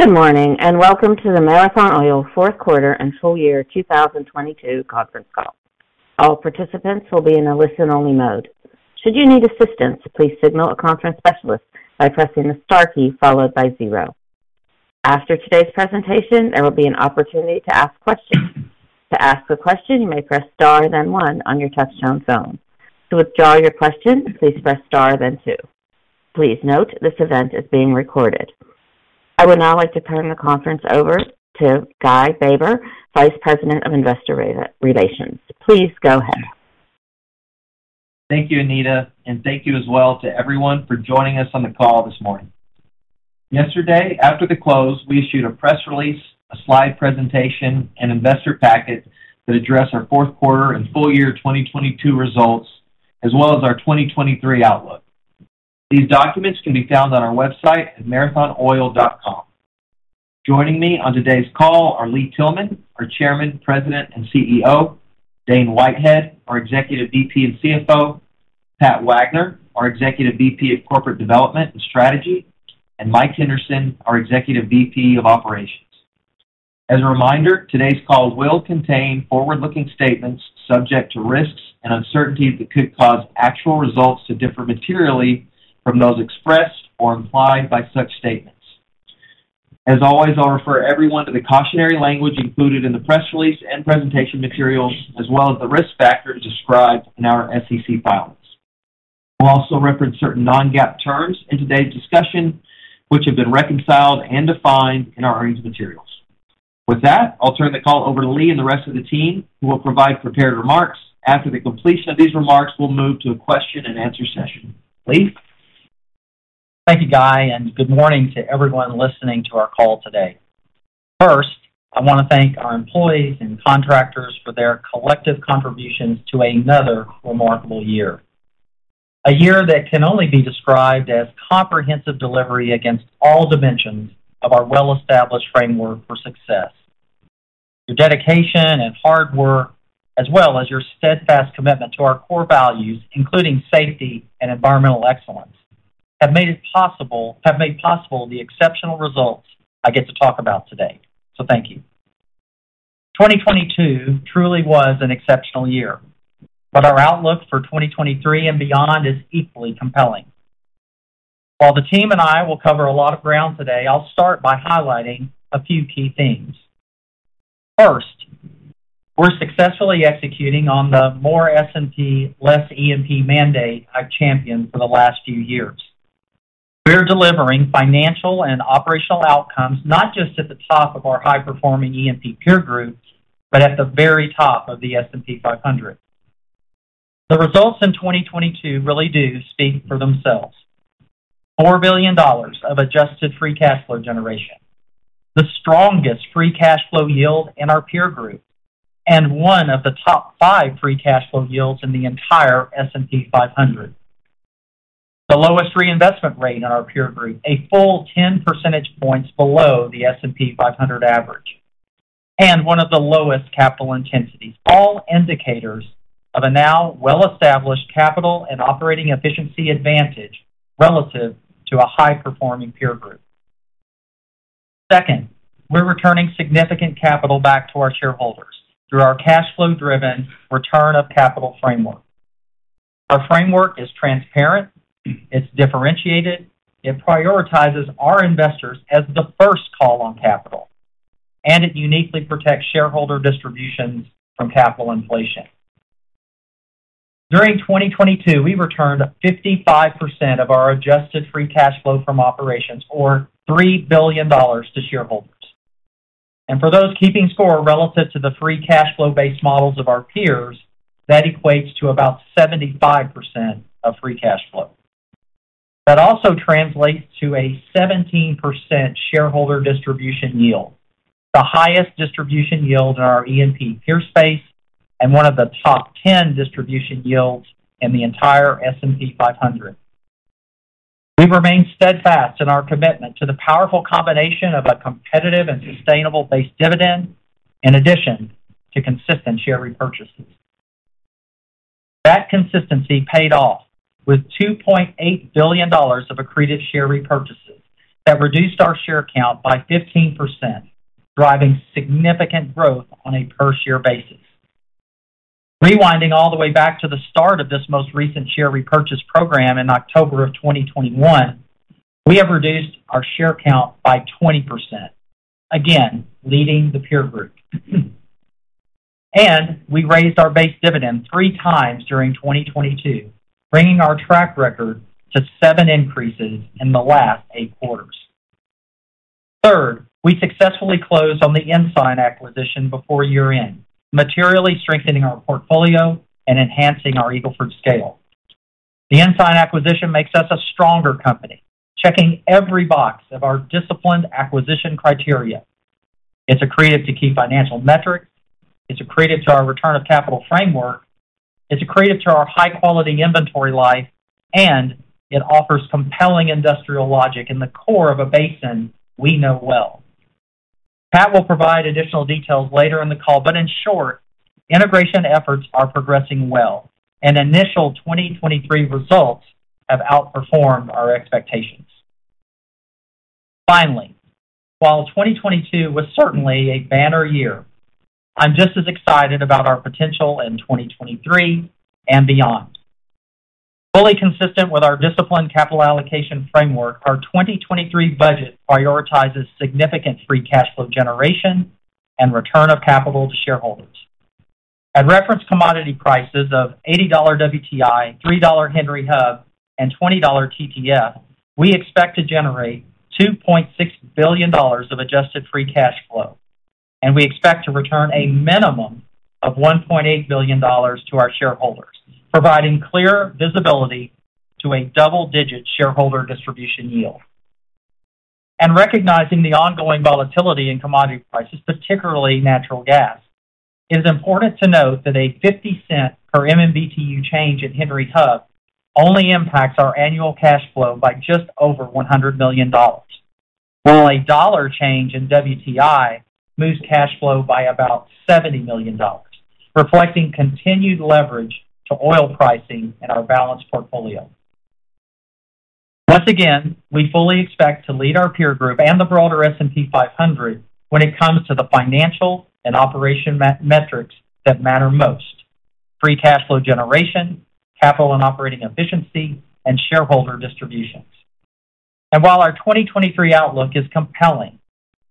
Good morning, welcome to the Marathon Oil fourth quarter and full year 2022 conference call. All participants will be in a listen-only mode. Should you need assistance, please signal a conference specialist by pressing the star key followed by 0. After today's presentation, there will be an opportunity to ask questions. To ask a question, you may press star then one on your touchtone phone. To withdraw your question, please press star then two. Please note this event is being recorded. I would now like to turn the conference over to Guy Baber, Vice President of Investor Relations. Please go ahead. Thank you, Anita, and thank you as well to everyone for joining us on the call this morning. Yesterday, after the close, we issued a press release, a slide presentation, and investor packet that address our fourth quarter and full year 2022 results, as well as our 2023 outlook. These documents can be found on our website at marathonoil.com. Joining me on today's call are Lee Tillman, our Chairman, President, and CEO, Dane Whitehead, our Executive VP and CFO, Pat Wagner, our Executive VP of Corporate Development and Strategy, and Mike Henderson, our Executive VP of Operations. As a reminder, today's call will contain forward-looking statements subject to risks and uncertainties that could cause actual results to differ materially from those expressed or implied by such statements. As always, I'll refer everyone to the cautionary language included in the press release and presentation materials as well as the risk factors described in our SEC filings. We'll also reference certain non-GAAP terms in today's discussion, which have been reconciled and defined in our earnings materials. With that, I'll turn the call over to Lee and the rest of the team, who will provide prepared remarks. After the completion of these remarks, we'll move to a question-and-answer session. Lee? Thank you, Guy. Good morning to everyone listening to our call today. First, I want to thank our employees and contractors for their collective contributions to another remarkable year. A year that can only be described as comprehensive delivery against all dimensions of our well-established framework for success. Your dedication and hard work, as well as your steadfast commitment to our core values, including safety and environmental excellence, have made possible the exceptional results I get to talk about today. Thank you. 2022 truly was an exceptional year, our outlook for 2023 and beyond is equally compelling. While the team and I will cover a lot of ground today, I'll start by highlighting a few key themes. First, we're successfully executing on the more S&P, less E&P mandate I've championed for the last few years. We're delivering financial and operational outcomes, not just at the top of our high-performing E&P peer group, but at the very top of the S&P 500. The results in 2022 really do speak for themselves. $4 billion of adjusted free cash flow generation, the strongest free cash flow yield in our peer group, and one of the top five free cash flow yields in the entire S&P 500. The lowest reinvestment rate in our peer group, a full 10 percentage points below the S&P 500 average, and one of the lowest capital intensities. All indicators of a now well-established capital and operating efficiency advantage relative to a high-performing peer group. We're returning significant capital back to our shareholders through our cash flow-driven return of capital framework. Our framework is transparent, it's differentiated, it prioritizes our investors as the first call on capital, and it uniquely protects shareholder distributions from capital inflation. During 2022, we returned 55% of our adjusted free cash flow from operations or $3 billion to shareholders. For those keeping score relative to the free cash flow-based models of our peers, that equates to about 75% of free cash flow. That also translates to a 17% shareholder distribution yield, the highest distribution yield in our E&P peer space and one of the top 10 distribution yields in the entire S&P 500. We've remained steadfast in our commitment to the powerful combination of a competitive and sustainable base dividend in addition to consistent share repurchases. That consistency paid off with $2.8 billion of accretive share repurchases that reduced our share count by 15%, driving significant growth on a per-share basis. Rewinding all the way back to the start of this most recent share repurchase program in October of 2021, we have reduced our share count by 20%, again, leading the peer group. We raised our base dividend three times during 2022, bringing our track record to seven increases in the last eight quarters. Third, we successfully closed on the Ensign acquisition before year-end, materially strengthening our portfolio and enhancing our Eagle Ford scale. The Ensign acquisition makes us a stronger company, checking every box of our disciplined acquisition criteria. It's accretive to key financial metrics, it's accretive to our return of capital framework, it's accretive to our high-quality inventory life, and it offers compelling industrial logic in the core of a basin we know well. Pat will provide additional details later in the call. In short, integration efforts are progressing well, and initial 2023 results have outperformed our expectations. Finally, while 2022 was certainly a banner year, I'm just as excited about our potential in 2023 and beyond. Fully consistent with our disciplined capital allocation framework, our 2023 budget prioritizes significant free cash flow generation and return of capital to shareholders. At reference commodity prices of $80 WTI, $3 Henry Hub, and $20 TTF, we expect to generate $2.6 billion of adjusted free cash flow. We expect to return a minimum of $1.8 billion to our shareholders, providing clear visibility to a double-digit shareholder distribution yield. Recognizing the ongoing volatility in commodity prices, particularly natural gas, it is important to note that a $0.50 per MMBtu change in Henry Hub only impacts our annual cash flow by just over $100 million, while a $1 change in WTI moves cash flow by about $70 million, reflecting continued leverage to oil pricing in our balanced portfolio. Once again, we fully expect to lead our peer group and the broader S&P 500 when it comes to the financial and operation metrics that matter most: free cash flow generation, capital and operating efficiency, and shareholder distributions. While our 2023 outlook is compelling,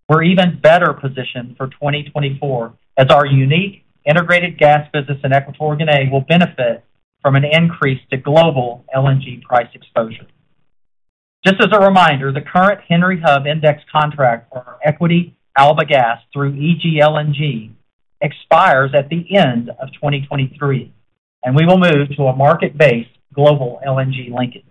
we're even better positioned for 2024 as our unique integrated gas business in Equatorial Guinea will benefit from an increase to global LNG price exposure. Just as a reminder, the current Henry Hub index contract for our equity Alba Gas through EG LNG expires at the end of 2023, and we will move to a market-based global LNG linkage.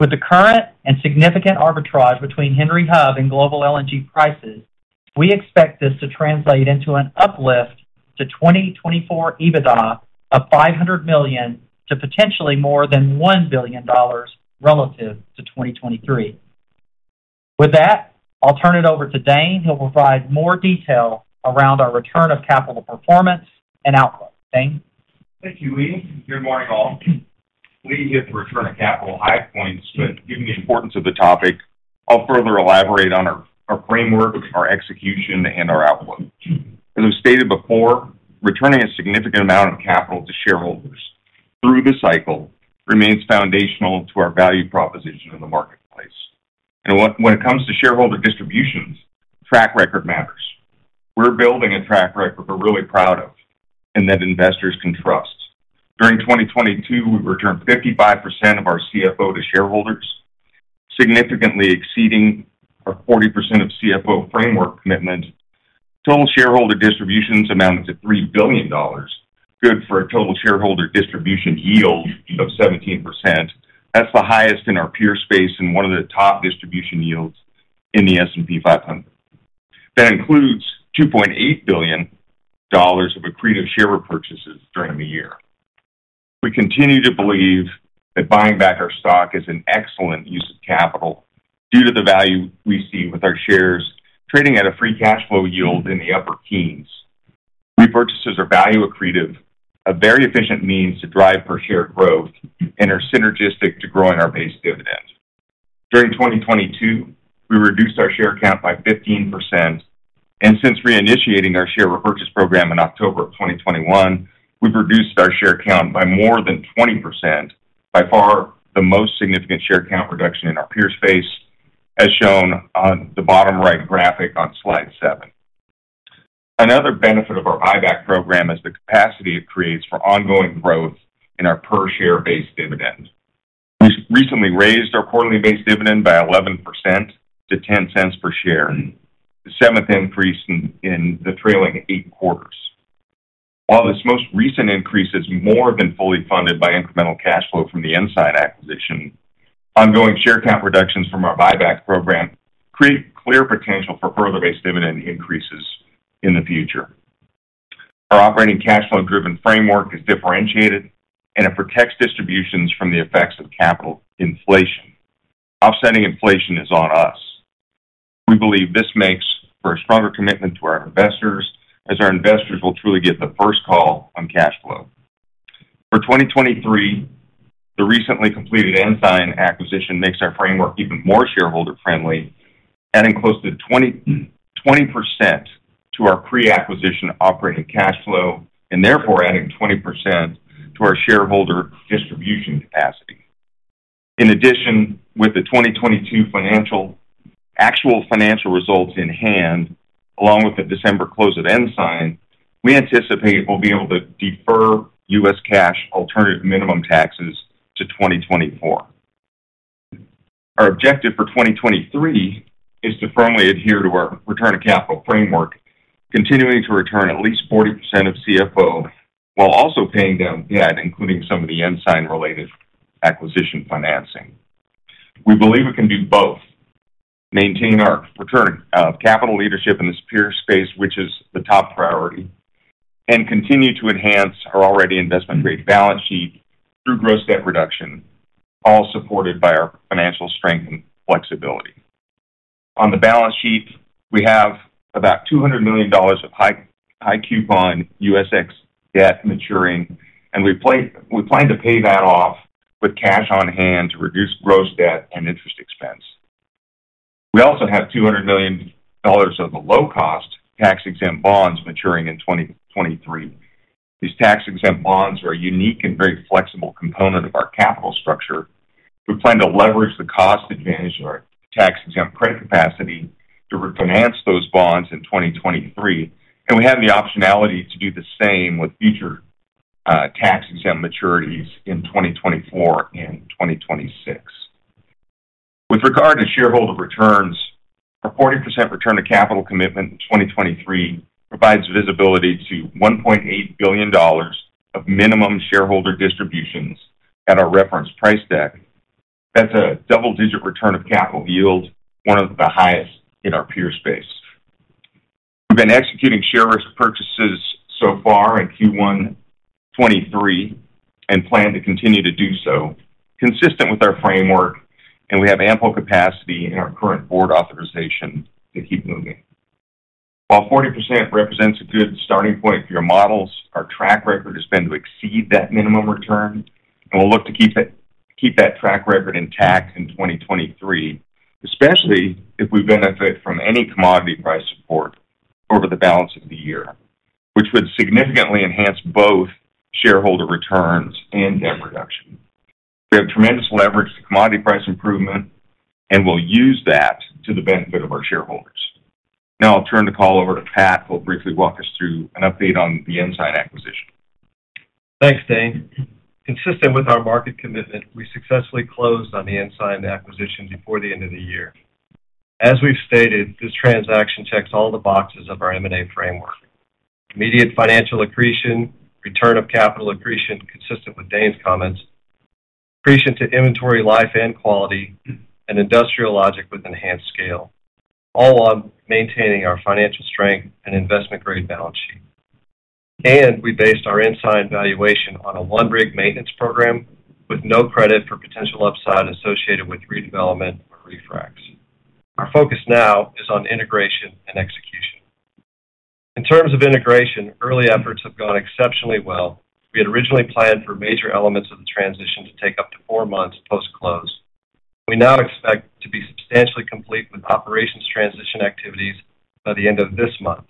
With the current and significant arbitrage between Henry Hub and global LNG prices, we expect this to translate into an uplift to 2024 EBITDA of $500 million to potentially more than $1 billion relative to 2023. With that, I'll turn it over to Dane, who will provide more detail around our return of capital performance and outlook. Dane? Thank you, Lee. Good morning, all. Lee hit the return on capital high points, given the importance of the topic, I'll further elaborate on our framework, our execution, and our outlook. As we've stated before, returning a significant amount of capital to shareholders through the cycle remains foundational to our value proposition in the marketplace. When it comes to shareholder distributions, track record matters. We're building a track record we're really proud of and that investors can trust. During 2022, we returned 55% of our CFO to shareholders, significantly exceeding our 40% of CFO framework commitment. Total shareholder distributions amounted to $3 billion, good for a total shareholder distribution yield of 17%. That's the highest in our peer space and one of the top distribution yields in the S&P 500. That includes $2.8 billion of accretive share repurchases during the year. We continue to believe that buying back our stock is an excellent use of capital due to the value we see with our shares trading at a free cash flow yield in the upper teens. Repurchases are value accretive, a very efficient means to drive per share growth, and are synergistic to growing our base dividend. During 2022, we reduced our share count by 15%, and since reinitiating our share repurchase program in October of 2021, we've reduced our share count by more than 20%, by far the most significant share count reduction in our peer space, as shown on the bottom right graphic on Slide 7. Another benefit of our buyback program is the capacity it creates for ongoing growth in our per share base dividend. We recently raised our quarterly base dividend by 11% to $0.10 per share, the seventh increase in the trailing eight quarters. While this most recent increase is more than fully funded by incremental cash flow from the Ensign acquisition, ongoing share count reductions from our buyback program create clear potential for further base dividend increases in the future. Our operating cash flow-driven framework is differentiated, and it protects distributions from the effects of capital inflation. Offsetting inflation is on us. We believe this makes for a stronger commitment to our investors, as our investors will truly get the first call on cash flow. For 2023, the recently completed Ensign acquisition makes our framework even more shareholder-friendly, adding close to 20% to our pre-acquisition operating cash flow and therefore adding 20% to our shareholder distribution capacity. In addition, with the 2022 actual financial results in hand, along with the December close of Ensign, we anticipate we'll be able to defer U.S. Cash alternative minimum taxes to 2024. Our objective for 2023 is to firmly adhere to our return of capital framework, continuing to return at least 40% of CFO while also paying down debt, including some of the Ensign-related acquisition financing. We believe we can do both, maintain our return of capital leadership in this peer space, which is the top priority. Continue to enhance our already investment-grade balance sheet through gross debt reduction, all supported by our financial strength and flexibility. On the balance sheet, we have about $200 million of high coupon USX debt maturing, and we plan to pay that off with cash on hand to reduce gross debt and interest expense. We also have $200 million of the low-cost tax-exempt bonds maturing in 2023. These tax-exempt bonds are a unique and very flexible component of our capital structure. We plan to leverage the cost advantage of our tax-exempt credit capacity to refinance those bonds in 2023, and we have the optionality to do the same with future tax-exempt maturities in 2024 and 2026. With regard to shareholder returns, our 40% return of capital commitment in 2023 provides visibility to $1.8 billion of minimum shareholder distributions at our reference price deck. That's a double-digit return of capital yield, one of the highest in our peer space. We've been executing share risk purchases so far in Q1 2023 and plan to continue to do so consistent with our framework, and we have ample capacity in our current board authorization to keep moving. While 40% represents a good starting point for your models, our track record has been to exceed that minimum return, and we'll look to keep that track record intact in 2023, especially if we benefit from any commodity price support over the balance of the year, which would significantly enhance both shareholder returns and debt reduction. We have tremendous leverage to commodity price improvement, and we'll use that to the benefit of our shareholders. I'll turn the call over to Pat, who will briefly walk us through an update on the Ensign acquisition. Thanks, Dane. Consistent with our market commitment, we successfully closed on the Ensign acquisition before the end of the year. As we've stated, this transaction checks all the boxes of our M&A framework. Immediate financial accretion, return of capital accretion, consistent with Dane's comments, accretion to inventory life and quality, and industrial logic with enhanced scale, all while maintaining our financial strength and investment-grade balance sheet. We based our Ensign valuation on a 1-rig maintenance program with no credit for potential upside associated with redevelopment or refracs. Our focus now is on integration and execution. In terms of integration, early efforts have gone exceptionally well. We had originally planned for major elements of the transition to take up to four months post-close. We now expect to be substantially complete with operations transition activities by the end of this month.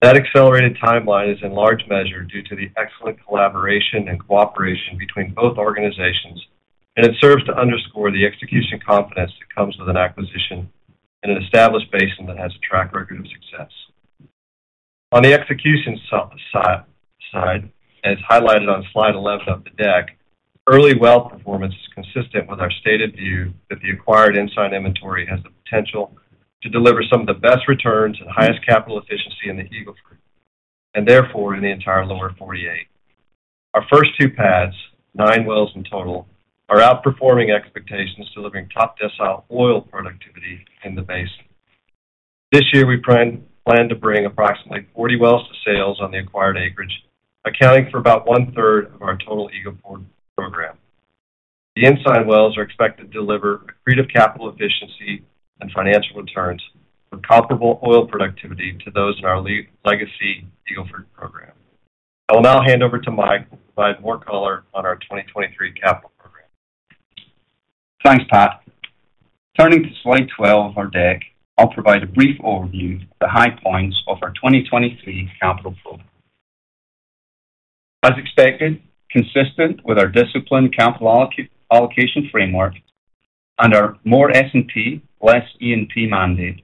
That accelerated timeline is in large measure due to the excellent collaboration and cooperation between both organizations. It serves to underscore the execution confidence that comes with an acquisition in an established basin that has a track record of success. On the execution side, as highlighted on Slide 11 of the deck, early well performance is consistent with our stated view that the acquired Ensign inventory has the potential to deliver some of the best returns and highest capital efficiency in the Eagle Ford and therefore in the entire lower 48. Our first two pads, nine wells in total, are outperforming expectations, delivering top decile oil productivity in the basin. This year, we plan to bring approximately 40 wells to sales on the acquired acreage, accounting for about one-third of our total Eagle Ford program. The Ensign wells are expected to deliver accretive capital efficiency and financial returns for comparable oil productivity to those in our legacy Eagle Ford program. I will now hand over to Mike, who will provide more color on our 2023 capital program. Thanks, Pat. Turning to Slide 12 of our deck, I'll provide a brief overview of the high points of our 2023 capital flow. As expected, consistent with our disciplined capital allocation framework and our more S&P, less E&P mandate,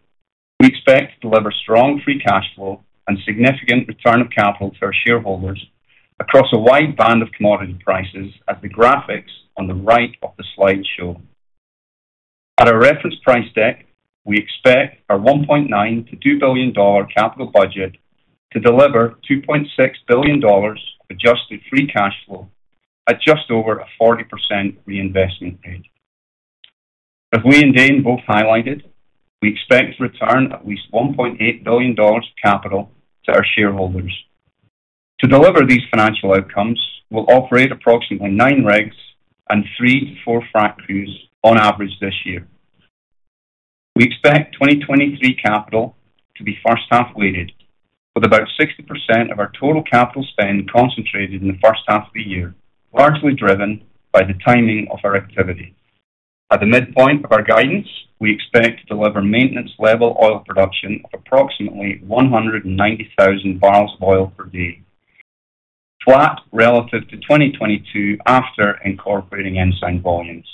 we expect to deliver strong free cash flow and significant return of capital to our shareholders across a wide band of commodity prices as the graphics on the right of the slide show. At our reference price deck, we expect our $1.9 billion-$2 billion capital budget to deliver $2.6 billion adjusted free cash flow at just over a 40% reinvestment rate. As we and Dane both highlighted, we expect to return at least $1.8 billion of capital to our shareholders. To deliver these financial outcomes, we'll operate approximately nine rigs and three to four frac crews on average this year. We expect 2023 capital to be first half weighted, with about 60% of our total capital spend concentrated in the first half of the year, largely driven by the timing of our activity. At the midpoint of our guidance, we expect to deliver maintenance level oil production of approximately 190,000 barrels of oil per day, flat relative to 2022 after incorporating Ensign volumes.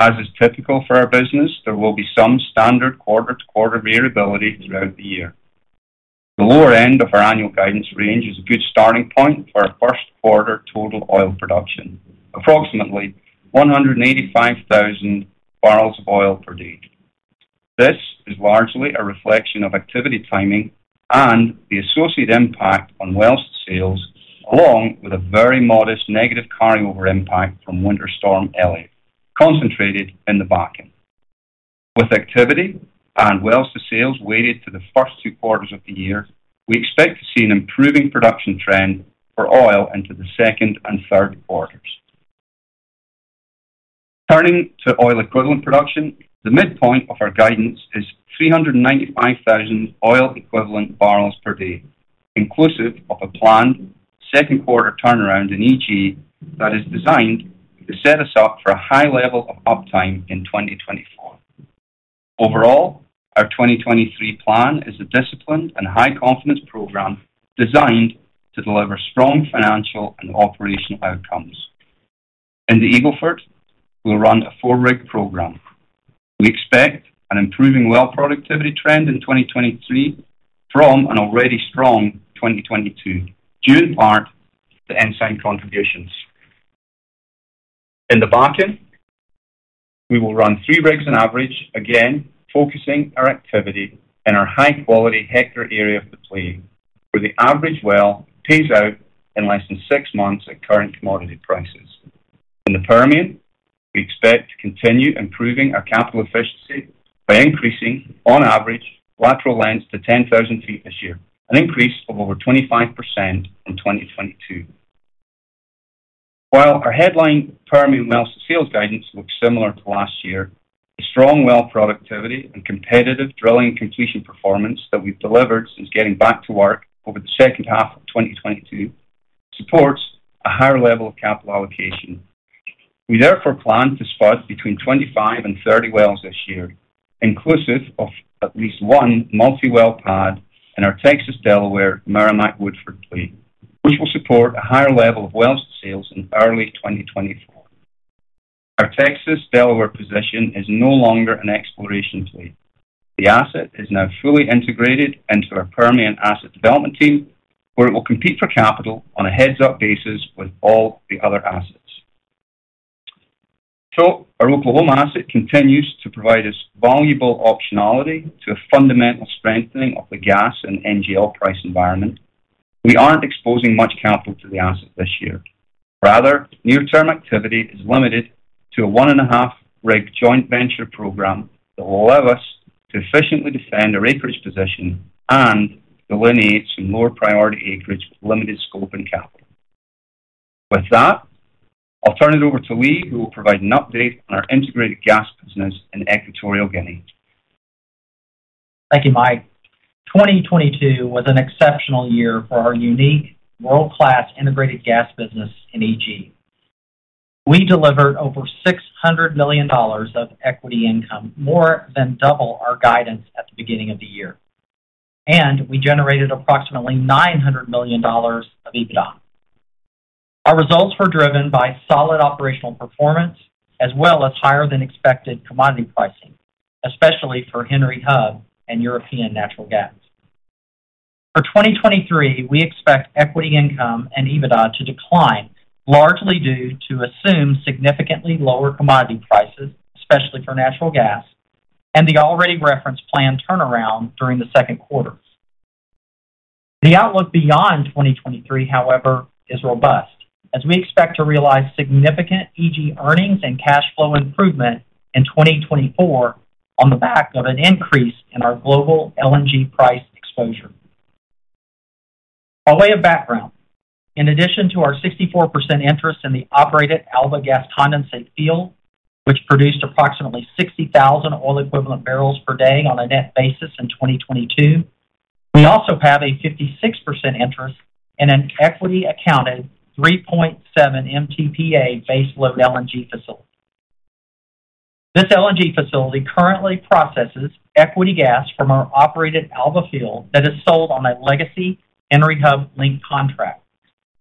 As is typical for our business, there will be some standard quarter-to-quarter variability throughout the year. The lower end of our annual guidance range is a good starting point for our first quarter total oil production, approximately 185,000 barrels of oil per day. This is largely a reflection of activity timing and the associated impact on well sales along with a very modest negative carryover impact from Winter Storm Elliott, concentrated in the Bakken. With activity and wells to sales weighted to the first two quarters of the year, we expect to see an improving production trend for oil into the second and third quarters. Turning to oil equivalent production, the midpoint of our guidance is 395,000 oil equivalent barrels per day, inclusive of a planned second quarter turnaround in EG that is designed to set us up for a high level of uptime in 2024. Overall, our 2023 plan is a disciplined and high confidence program designed to deliver strong financial and operational outcomes. In the Eagle Ford, we'll run a four-rig program. We expect an improving well productivity trend in 2023 from an already strong 2022 due in part to Ensign contributions. In the Bakken, we will run three rigs on average, again, focusing our activity in our high-quality hectare area of the play, where the average well pays out in less than six months at current commodity prices. In the Permian, we expect to continue improving our capital efficiency by increasing, on average, lateral lengths to 10,000 feet this year, an increase of over 25% from 2022. While our headline Permian wells to sales guidance looks similar to last year, the strong well productivity and competitive drilling completion performance that we've delivered since getting back to work over the second half of 2022 supports a higher level of capital allocation. We therefore plan to spud between 25 and 30 wells this year, inclusive of at least 1 multi-well pad in our Texas Delaware Meramec Woodford play, which will support a higher level of wells to sales in early 2024. Our Texas Delaware position is no longer an exploration play. The asset is now fully integrated into our Permian asset development team, where it will compete for capital on a heads-up basis with all the other assets. Our Oklahoma asset continues to provide us valuable optionality to a fundamental strengthening of the gas and NGL price environment. We aren't exposing much capital to the asset this year. Rather, near-term activity is limited to a 1.5 rig joint venture program that will allow us to efficiently defend our acreage position and delineate some lower priority acreage with limited scope and capital. With that, I'll turn it over to Lee, who will provide an update on our integrated gas business in Equatorial Guinea. Thank you, Mike. 2022 was an exceptional year for our unique world-class integrated gas business in EG. We delivered over $600 million of equity income, more than double our guidance at the beginning of the year. We generated approximately $900 million of EBITDA. Our results were driven by solid operational performance as well as higher than expected commodity pricing, especially for Henry Hub and European natural gas. For 2023, we expect equity income and EBITDA to decline, largely due to assumed significantly lower commodity prices, especially for natural gas, and the already referenced planned turnaround during the second quarter. The outlook beyond 2023, however, is robust, as we expect to realize significant EG earnings and cash flow improvement in 2024 on the back of an increase in our global LNG price exposure. By way of background, in addition to our 64% interest in the operated Alba Gas Condensate Field, which produced approximately 60,000 oil equivalent barrels per day on a net basis in 2022, we also have a 56% interest in an equity accounted 3.7 MTPA baseload LNG facility. This LNG facility currently processes equity gas from our operated Alba field that is sold on a legacy Henry Hub link contract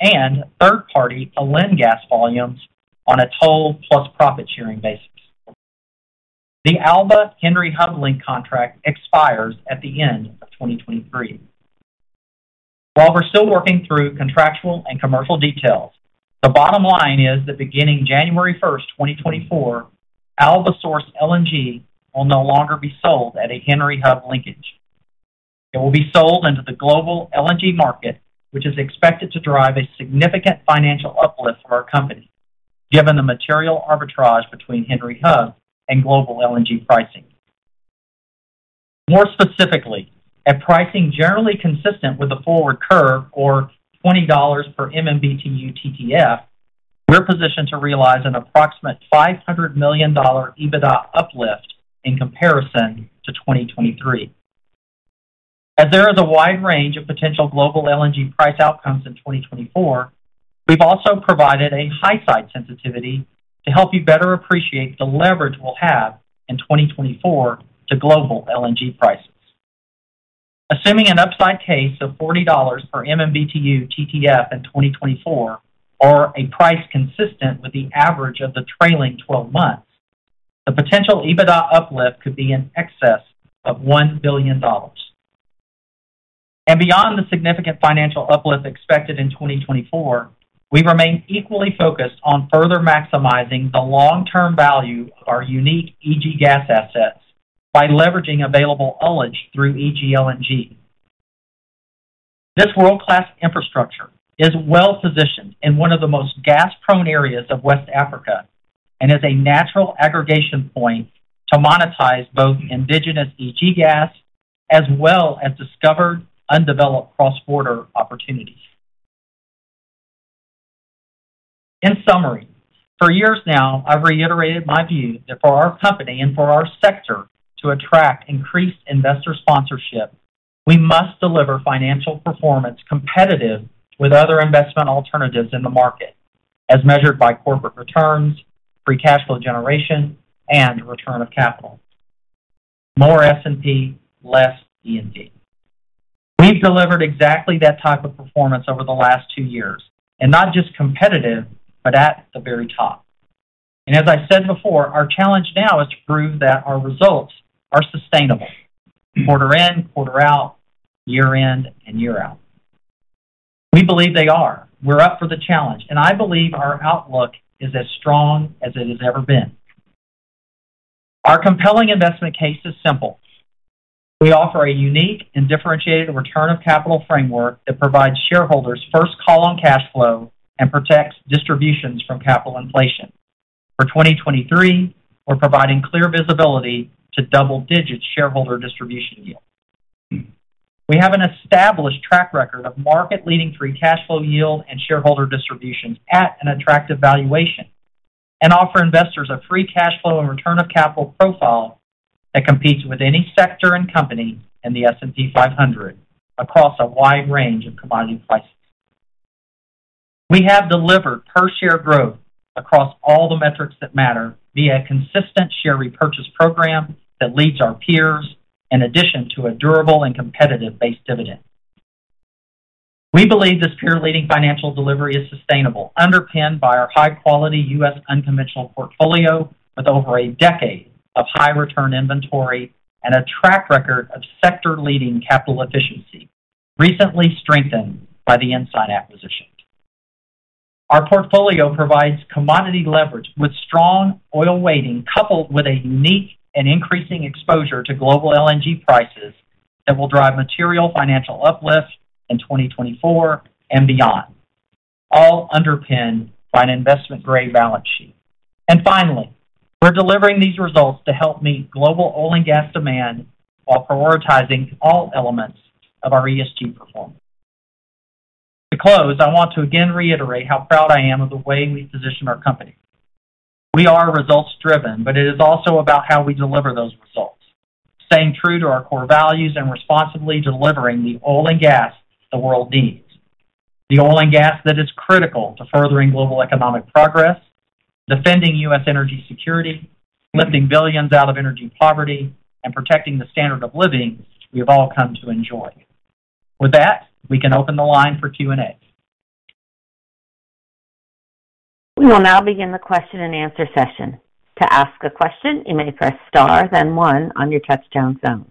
and third-party Alen gas volumes on a toll plus profit sharing basis. The Alba Henry Hub link contract expires at the end of 2023. While we're still working through contractual and commercial details, the bottom line is that beginning January 1st, 2024, Alba sourced LNG will no longer be sold at a Henry Hub linkage. It will be sold into the global LNG market, which is expected to drive a significant financial uplift for our company, given the material arbitrage between Henry Hub and global LNG pricing. More specifically, at pricing generally consistent with the forward curve or $20 per MMBTU TTF, we're positioned to realize an approximate $500 million EBITDA uplift in comparison to 2023. As there is a wide range of potential global LNG price outcomes in 2024, we've also provided a high side sensitivity to help you better appreciate the leverage we'll have in 2024 to global LNG prices. Assuming an upside case of $40 per MMBTU TTF in 2024, or a price consistent with the average of the trailing 12 months, the potential EBITDA uplift could be in excess of $1 billion. Beyond the significant financial uplift expected in 2024, we remain equally focused on further maximizing the long-term value of our unique EG gas assets by leveraging available ullage through EG LNG. This world-class infrastructure is well positioned in one of the most gas-prone areas of West Africa and is a natural aggregation point to monetize both indigenous EG gas as well as discovered undeveloped cross-border opportunities. In summary, for years now, I've reiterated my view that for our company and for our sector to attract increased investor sponsorship, we must deliver financial performance competitive with other investment alternatives in the market, as measured by corporate returns, free cash flow generation, and return of capital. More S&P, less E&P. We've delivered exactly that type of performance over the last two years, and not just competitive, but at the very top. As I said before, our challenge now is to prove that our results are sustainable quarter in, quarter out, year in, and year out. We believe they are. We're up for the challenge, and I believe our outlook is as strong as it has ever been. Our compelling investment case is simple. We offer a unique and differentiated return of capital framework that provides shareholders first call on cash flow and protects distributions from capital inflation. For 2023, we're providing clear visibility to double-digit shareholder distribution yield. We have an established track record of market-leading free cash flow yield and shareholder distributions at an attractive valuation and offer investors a free cash flow and return of capital profile that competes with any sector and company in the S&P 500 across a wide range of commodity prices. We have delivered per share growth across all the metrics that matter via consistent share repurchase program that leads our peers in addition to a durable and competitive base dividend. We believe this peer-leading financial delivery is sustainable, underpinned by our high-quality U.S. Unconventional portfolio with over a decade of high return inventory and a track record of sector-leading capital efficiency, recently strengthened by the Ensign acquisition. Our portfolio provides commodity leverage with strong oil weighting coupled with a unique and increasing exposure to global LNG prices that will drive material financial uplift in 2024 and beyond, all underpinned by an investment-grade balance sheet. Finally, we're delivering these results to help meet global oil and gas demand while prioritizing all elements of our ESG performance. To close, I want to again reiterate how proud I am of the way we position our company. We are results driven, but it is also about how we deliver those results, staying true to our core values and responsibly delivering the oil and gas the world needs. The oil and gas that is critical to furthering global economic progress, defending U.S. energy security, lifting billions out of energy poverty, and protecting the standard of living we have all come to enjoy. With that, we can open the line for Q&A. We will now begin the question-and-answer session. To ask a question, you may press star then one on your touchtone phone.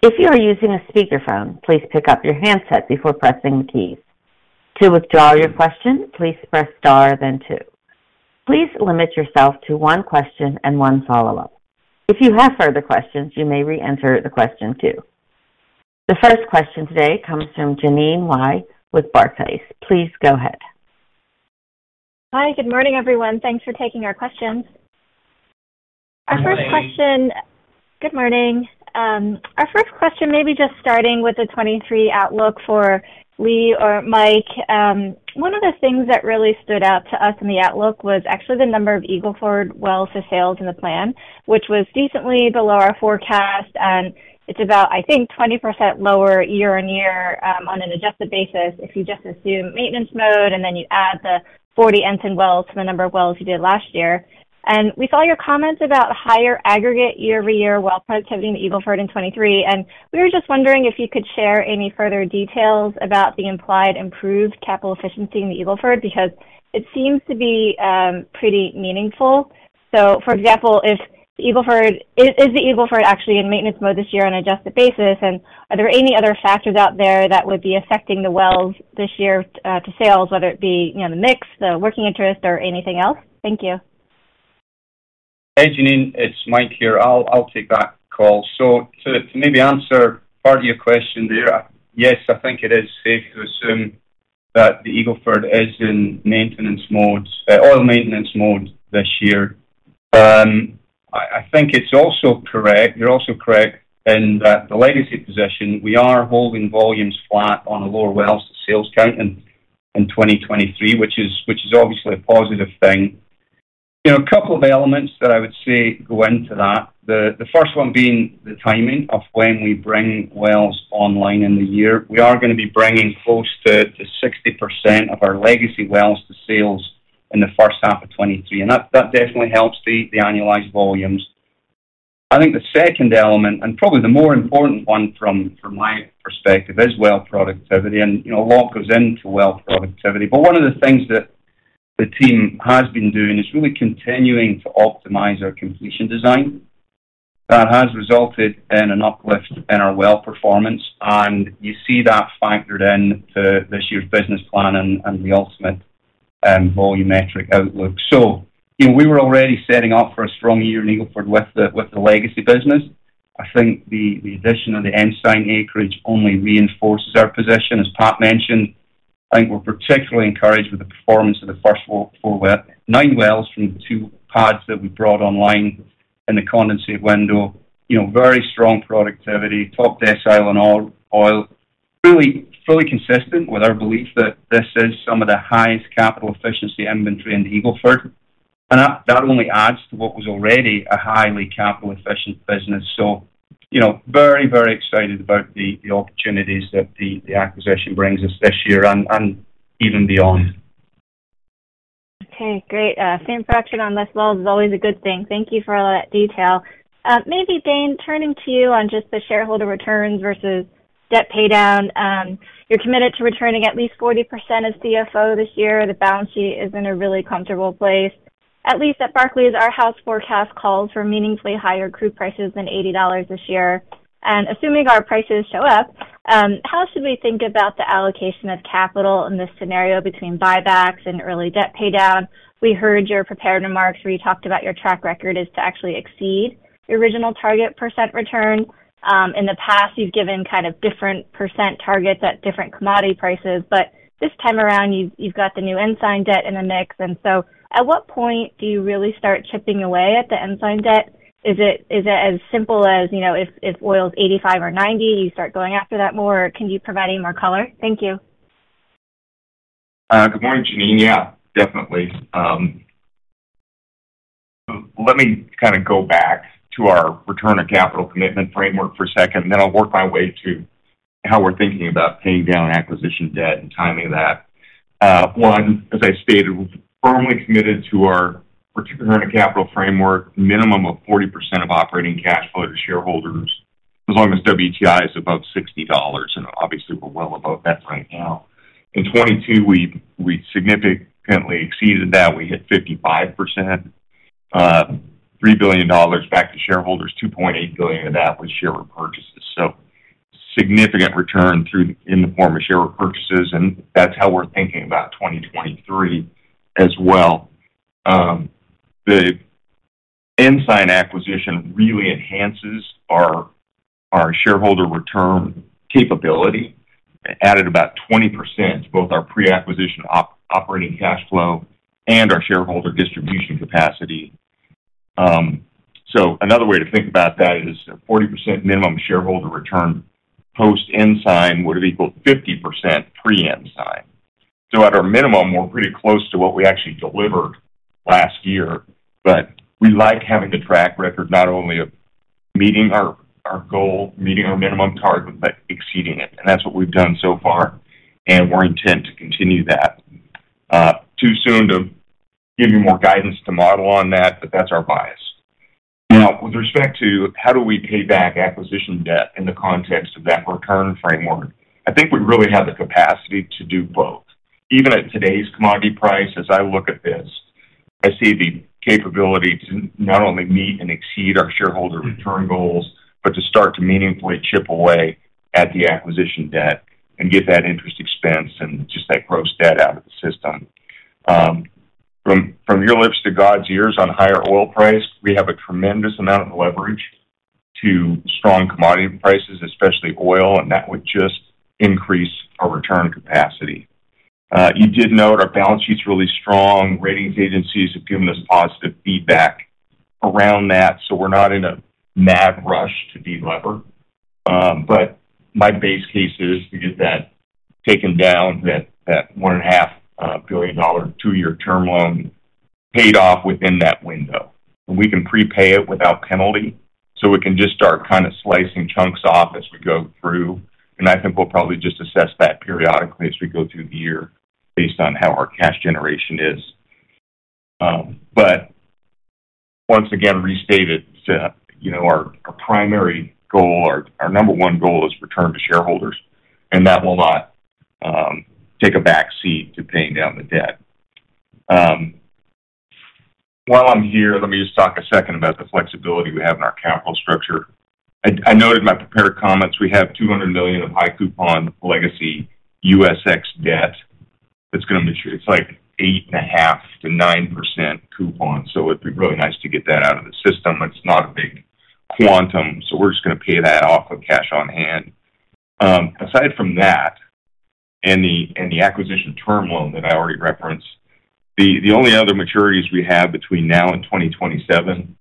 If you are using a speakerphone, please pick up your handset before pressing the keys. To withdraw your question, please press star then two. Please limit yourself to one question and one follow-up. If you have further questions, you may re-enter the question two. The first question today comes from Jeanine Wai. with Barclays. Please go ahead. Hi. Good morning, everyone. Thanks for taking our questions. Good morning. Good morning. Our first question may be just starting with the 2023 outlook for Lee or Mike. One of the things that really stood out to us in the outlook was actually the number of Eagle Ford wells for sales in the plan, which was decently below our forecast. It's about, I think, 20% lower year-on-year, on an adjusted basis, if you just assume maintenance mode, and then you add the 40 Ensign wells to the number of wells you did last year. We saw your comments about higher aggregate year-over-year well productivity in the Eagle Ford in 2023, and we were just wondering if you could share any further details about the implied improved capital efficiency in the Eagle Ford because it seems to be pretty meaningful. For example, if the Eagle Ford. Is the Eagle Ford actually in maintenance mode this year on an adjusted basis? Are there any other factors out there that would be affecting the wells this year to sales, whether it be, you know, the mix, the working interest or anything else? Thank you. Hey, Jeanine, it's Mike here. I'll take that call. To maybe answer part of your question there, yes, I think it is safe to assume that the Eagle Ford is in maintenance mode, oil maintenance mode this year. I think it's also correct. You're also correct in that the legacy position, we are holding volumes flat on a lower well to sales count in 2023, which is obviously a positive thing. You know, a couple of elements that I would say go into that. The first one being the timing of when we bring wells online in the year. We are going to be bringing close to 60% of our legacy wells to sales in the first half of 2023, and that definitely helps the annualized volumes. I think the second element, probably the more important one from my perspective, is well productivity. You know, a lot goes into well productivity. One of the things that the team has been doing is really continuing to optimize our completion design. That has resulted in an uplift in our well performance, and you see that factored into this year's business plan and the ultimate Volumetric outlook. You know, we were already setting up for a strong year in Eagle Ford with the legacy business. I think the addition of the Ensign acreage only reinforces our position, as Pat mentioned. I think we're particularly encouraged with the performance of the first nine wells from the two pads that we brought online in the condensate window. You know, very strong productivity, top decile in oil. Really fully consistent with our belief that this is some of the highest capital efficiency inventory in the Eagle Ford. That only adds to what was already a highly capital efficient business. You know, very, very excited about the opportunities that the acquisition brings us this year and even beyond. Okay, great. Same fraction on less wells is always a good thing. Thank you for all that detail. Maybe, Dane, turning to you on just the shareholder returns versus debt pay down. You're committed to returning at least 40% of CFO this year. The balance sheet is in a really comfortable place. At least at Barclays, our house forecast calls for meaningfully higher crude prices than $80 this year. Assuming our prices show up, how should we think about the allocation of capital in this scenario between buybacks and early debt pay down? We heard your prepared remarks where you talked about your track record is to actually exceed your original target % return. In the past, you've given kind of different % targets at different commodity prices. This time around, you've got the new Ensign debt in the mix. At what point do you really start chipping away at the Ensign debt? Is it as simple as, you know, if oil is 85 or 90, you start going after that more? Can you provide any more color? Thank you. Good morning, Jeanine. Yeah, definitely. Let me kind of go back to our return on capital commitment framework for a second, then I'll work my way to how we're thinking about paying down acquisition debt and timing that. One, as I stated, we're firmly committed to our return on capital framework, minimum of 40% of operating cash flow to shareholders, as long as WTI is above $60, obviously we're well above that right now. In 2022, we significantly exceeded that. We hit 55%, $3 billion back to shareholders, $2.8 billion of that was share repurchases. Significant return through in the form of share repurchases, that's how we're thinking about 2023 as well. The Ensign acquisition really enhances our shareholder return capability. It added about 20%, both our pre-acquisition operating cash flow and our shareholder distribution capacity. So another way to think about that is a 40% minimum shareholder return post-Ensign would have equaled 50% pre-Ensign. At our minimum, we're pretty close to what we actually delivered last year. We like having the track record not only of meeting our goal, meeting our minimum target, but exceeding it. That's what we've done so far, and we're intent to continue that. Too soon to give you more guidance to model on that, but that's our bias. With respect to how do we pay back acquisition debt in the context of that return framework, I think we really have the capacity to do both. Even at today's commodity price, as I look at this, I see the capability to not only meet and exceed our shareholder return goals, but to start to meaningfully chip away at the acquisition debt and get that interest expense and just that gross debt out of the system. From your lips to God's ears on higher oil price, we have a tremendous amount of leverage to strong commodity prices, especially oil, and that would just increase our return capacity. You did note our balance sheets really strong. Ratings agencies have given us positive feedback around that, so we're not in a mad rush to de-lever. My base case is to get that taken down, that $1.5 billion two-year term loan paid off within that window. We can prepay it without penalty, so we can just start kind of slicing chunks off as we go through. I think we'll probably just assess that periodically as we go through the year based on how our cash generation is. Once again, restate it, you know, our primary goal, our number one goal is return to shareholders, and that will not take a back seat to paying down the debt. While I'm here, let me just talk a second about the flexibility we have in our capital structure. I noted in my prepared comments we have $200 million of high coupon legacy USX debt that's going to mature. It's like 8.5%-9% coupon. It'd be really nice to get that out of the system. It's not a big quantum, so we're just going to pay that off with cash on hand. Aside from that and the acquisition term loan that I already referenced, the only other maturities we have between now and 2027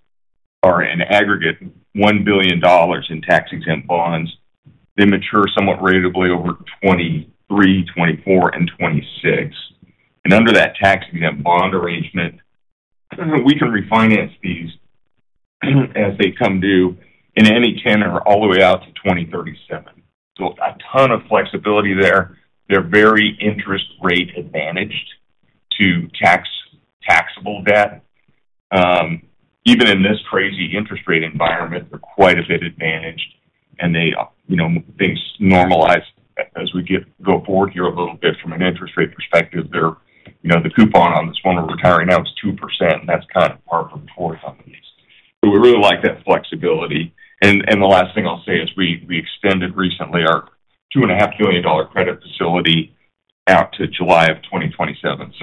are an aggregate $1 billion in tax-exempt bonds. They mature somewhat ratably over 2023, 2024, and 2026. Under that tax-exempt bond arrangement, we can refinance these as they come due in any tenor all the way out to 2037. A ton of flexibility there. They're very interest rate advantaged to tax taxable debt. Even in this crazy interest rate environment, they're quite a bit advantaged. They, you know, things normalize as we get go forward here a little bit from an interest rate perspective. They're, you know, the coupon on this one we're retiring now is 2%. That's kind of par for the course on these. We really like that flexibility. The last thing I'll say is we extended recently our $2.5 billion credit facility out to July of 2027.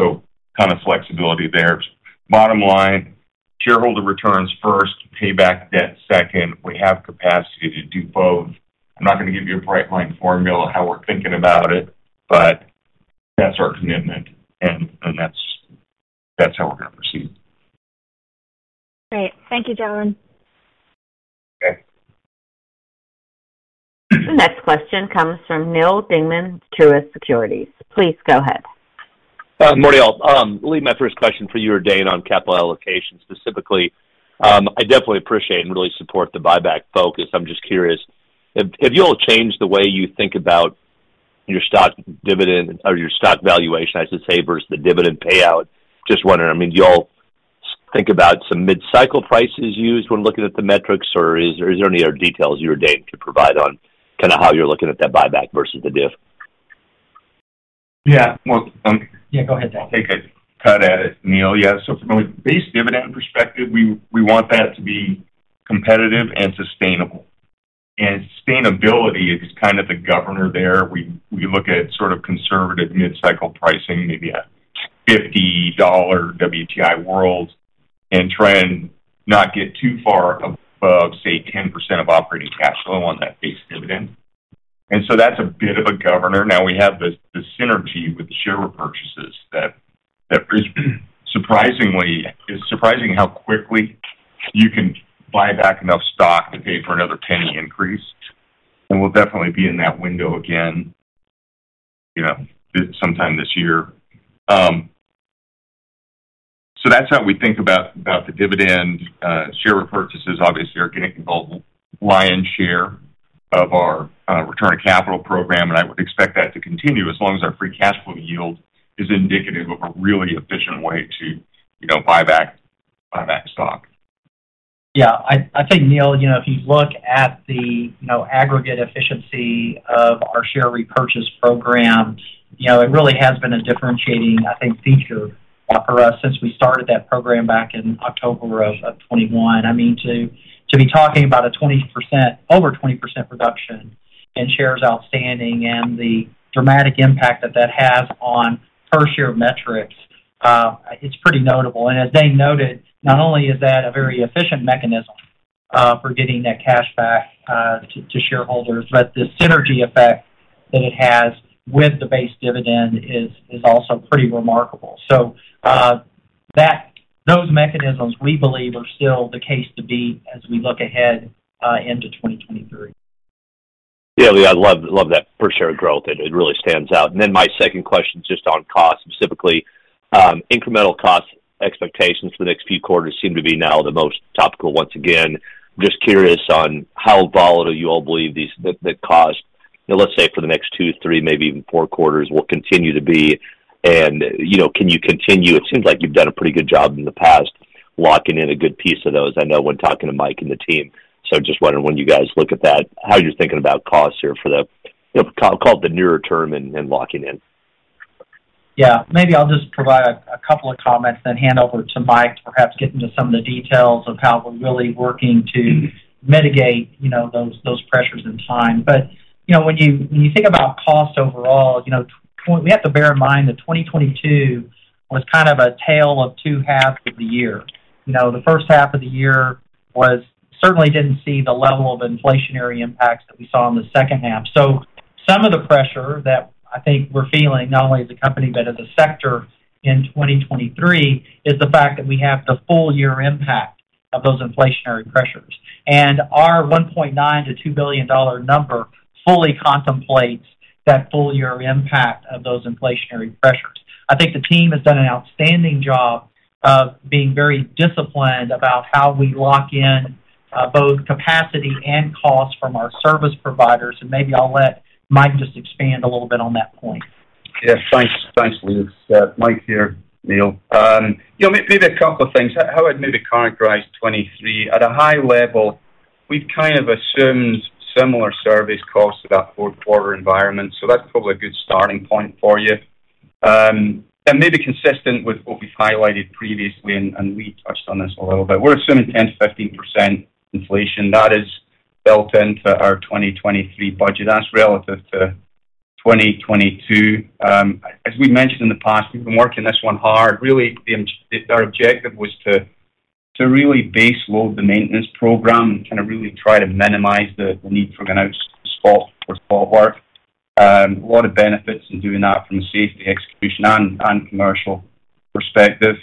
Kind of flexibility there. Bottom line, shareholder returns first, pay back debt second. We have capacity to do both. I'm not going to give you a bright-line formula how we're thinking about it, but that's our commitment and that's how we're going to proceed. Great. Thank you, gentlemen. Okay. The next question comes from Neal Dingmann, Truist Securities. Please go ahead. Good morning, all. Lee, my first question for you or Dane on capital allocation specifically. I definitely appreciate and really support the buyback focus. I'm just curious, have you all changed the way you think about your stock dividend or your stock valuation, I should say, versus the dividend payout? Just wondering, I mean, do you all think about some mid-cycle prices used when looking at the metrics, or is there any other details you or Dane could provide on kind of how you're looking at that buyback versus the div? Yeah. Well. Yeah, go ahead, Dane. I'll take a cut at it, Neal. Yeah. From a base dividend perspective, we want that to be competitive and sustainable. Sustainability is kind of the governor there. We look at sort of conservative mid-cycle pricing, maybe a $50 WTI world, and try and not get too far above, say, 10% of operating cash flow on that base dividend. That's a bit of a governor. Now we have the synergy with the share repurchases. It's surprising how quickly you can buy back enough stock to pay for another penny increase. We'll definitely be in that window again, you know, sometime this year. That's how we think about the dividend. Share repurchases obviously are getting the lion share of our return of capital program. I would expect that to continue as long as our free cash flow yield is indicative of a really efficient way to, you know, buy back stock. Yeah. I think, Neil, you know, if you look at the, you know, aggregate efficiency of our share repurchase program, you know, it really has been a differentiating, I think, feature for us since we started that program back in October of 2021. I mean, to be talking about a 20% over 20% reduction in shares outstanding and the dramatic impact that that has on per share metrics, it's pretty notable. As Dane noted, not only is that a very efficient mechanism for getting that cash back to shareholders, but the synergy effect that it has with the base dividend is also pretty remarkable. Those mechanisms, we believe, are still the case to beat as we look ahead into 2023. Yeah. I love that per share growth. It really stands out. My second question is just on cost, specifically, incremental cost expectations for the next few quarters seem to be now the most topical once again. I'm just curious on how volatile you all believe the cost, let's say, for the next two to three, maybe even four quarters, will continue to be, and, you know, can you continue? It seems like you've done a pretty good job in the past locking in a good piece of those. I know when talking to Mike and the team. Just wondering when you guys look at that, how you're thinking about costs here for the, you know, I'll call it the nearer term and locking in. Yeah. Maybe I'll just provide a couple of comments then hand over to Mike to perhaps get into some of the details of how we're really working to mitigate, you know, those pressures in time. You know, when you think about cost overall, you know, we have to bear in mind that 2022 was kind of a tale of two halves of the year. You know, the first half of the year certainly didn't see the level of inflationary impacts that we saw in the second half. Some of the pressure that, I think, we're feeling, not only as a company but as a sector in 2023, is the fact that we have the full year impact of those inflationary pressures. Our $1.9 billion-$2 billion number fully contemplates that full year impact of those inflationary pressures. I think the team has done an outstanding job of being very disciplined about how we lock in, both capacity and cost from our service providers. Maybe I'll let Mike just expand a little bit on that point. Yeah. Thanks. Thanks, Lee. Mike here, Neal. You know, maybe a couple of things. How I'd maybe characterize 2023 at a high level, we've kind of assumed similar service costs to that fourth quarter environment. That's probably a good starting point for you. Maybe consistent with what we've highlighted previously, and we touched on this a little bit. We're assuming 10%-15% inflation. That is built into our 2023 budget. That's relative to 2022. As we've mentioned in the past, we've been working this one hard. Really, our objective was to really base load the maintenance program and kind of really try to minimize the need for kind of spot work. A lot of benefits in doing that from a safety, execution, and commercial perspective.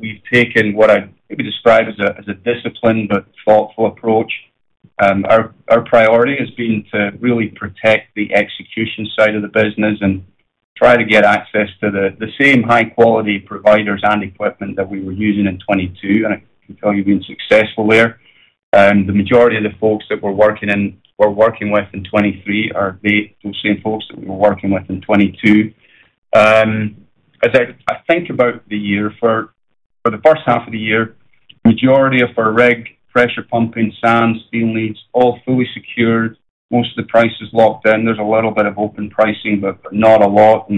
We've taken what I'd maybe describe as a disciplined but thoughtful approach. Our priority has been to really protect the execution side of the business and try to get access to the same high-quality providers and equipment that we were using in 2022. I can tell you we've been successful there. The majority of the folks that we're working with in 2023 are the same folks that we were working with in 2022. As I think about the year, for the first half of the year, majority of our rig, pressure pumping, sand, steel leads, all fully secured. Most of the price is locked in. There's a little bit of open pricing, but not a lot.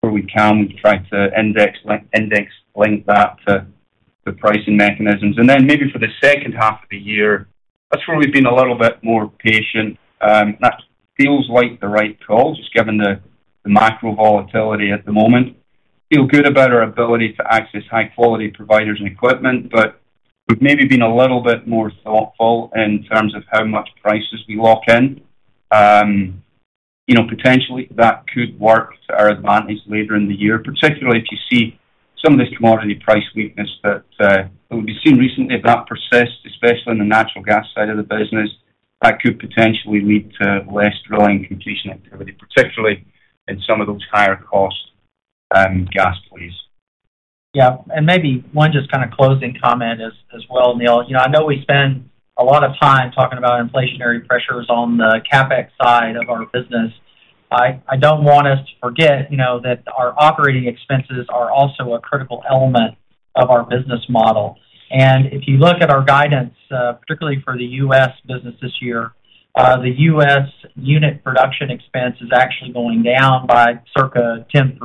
Where we can, we try to index link that to the pricing mechanisms. Maybe for the second half of the year, that's where we've been a little bit more patient. That feels like the right call, just given the macro volatility at the moment. Feel good about our ability to access high-quality providers and equipment, but we've maybe been a little bit more thoughtful in terms of how much prices we lock in. You know, potentially that could work to our advantage later in the year, particularly if you see some of this commodity price weakness that we've been seeing recently. If that persists, especially on the natural gas side of the business, that could potentially lead to less drilling completion activity, particularly in some of those higher cost gas plays. Maybe one just kind of closing comment as well, Neal. You know, I know we spend a lot of time talking about inflationary pressures on the CapEx side of our business. I don't want us to forget, you know, that our operating expenses are also a critical element of our business model. If you look at our guidance, particularly for the U.S. business this year, the U.S. unit production expense is actually going down by circa 10%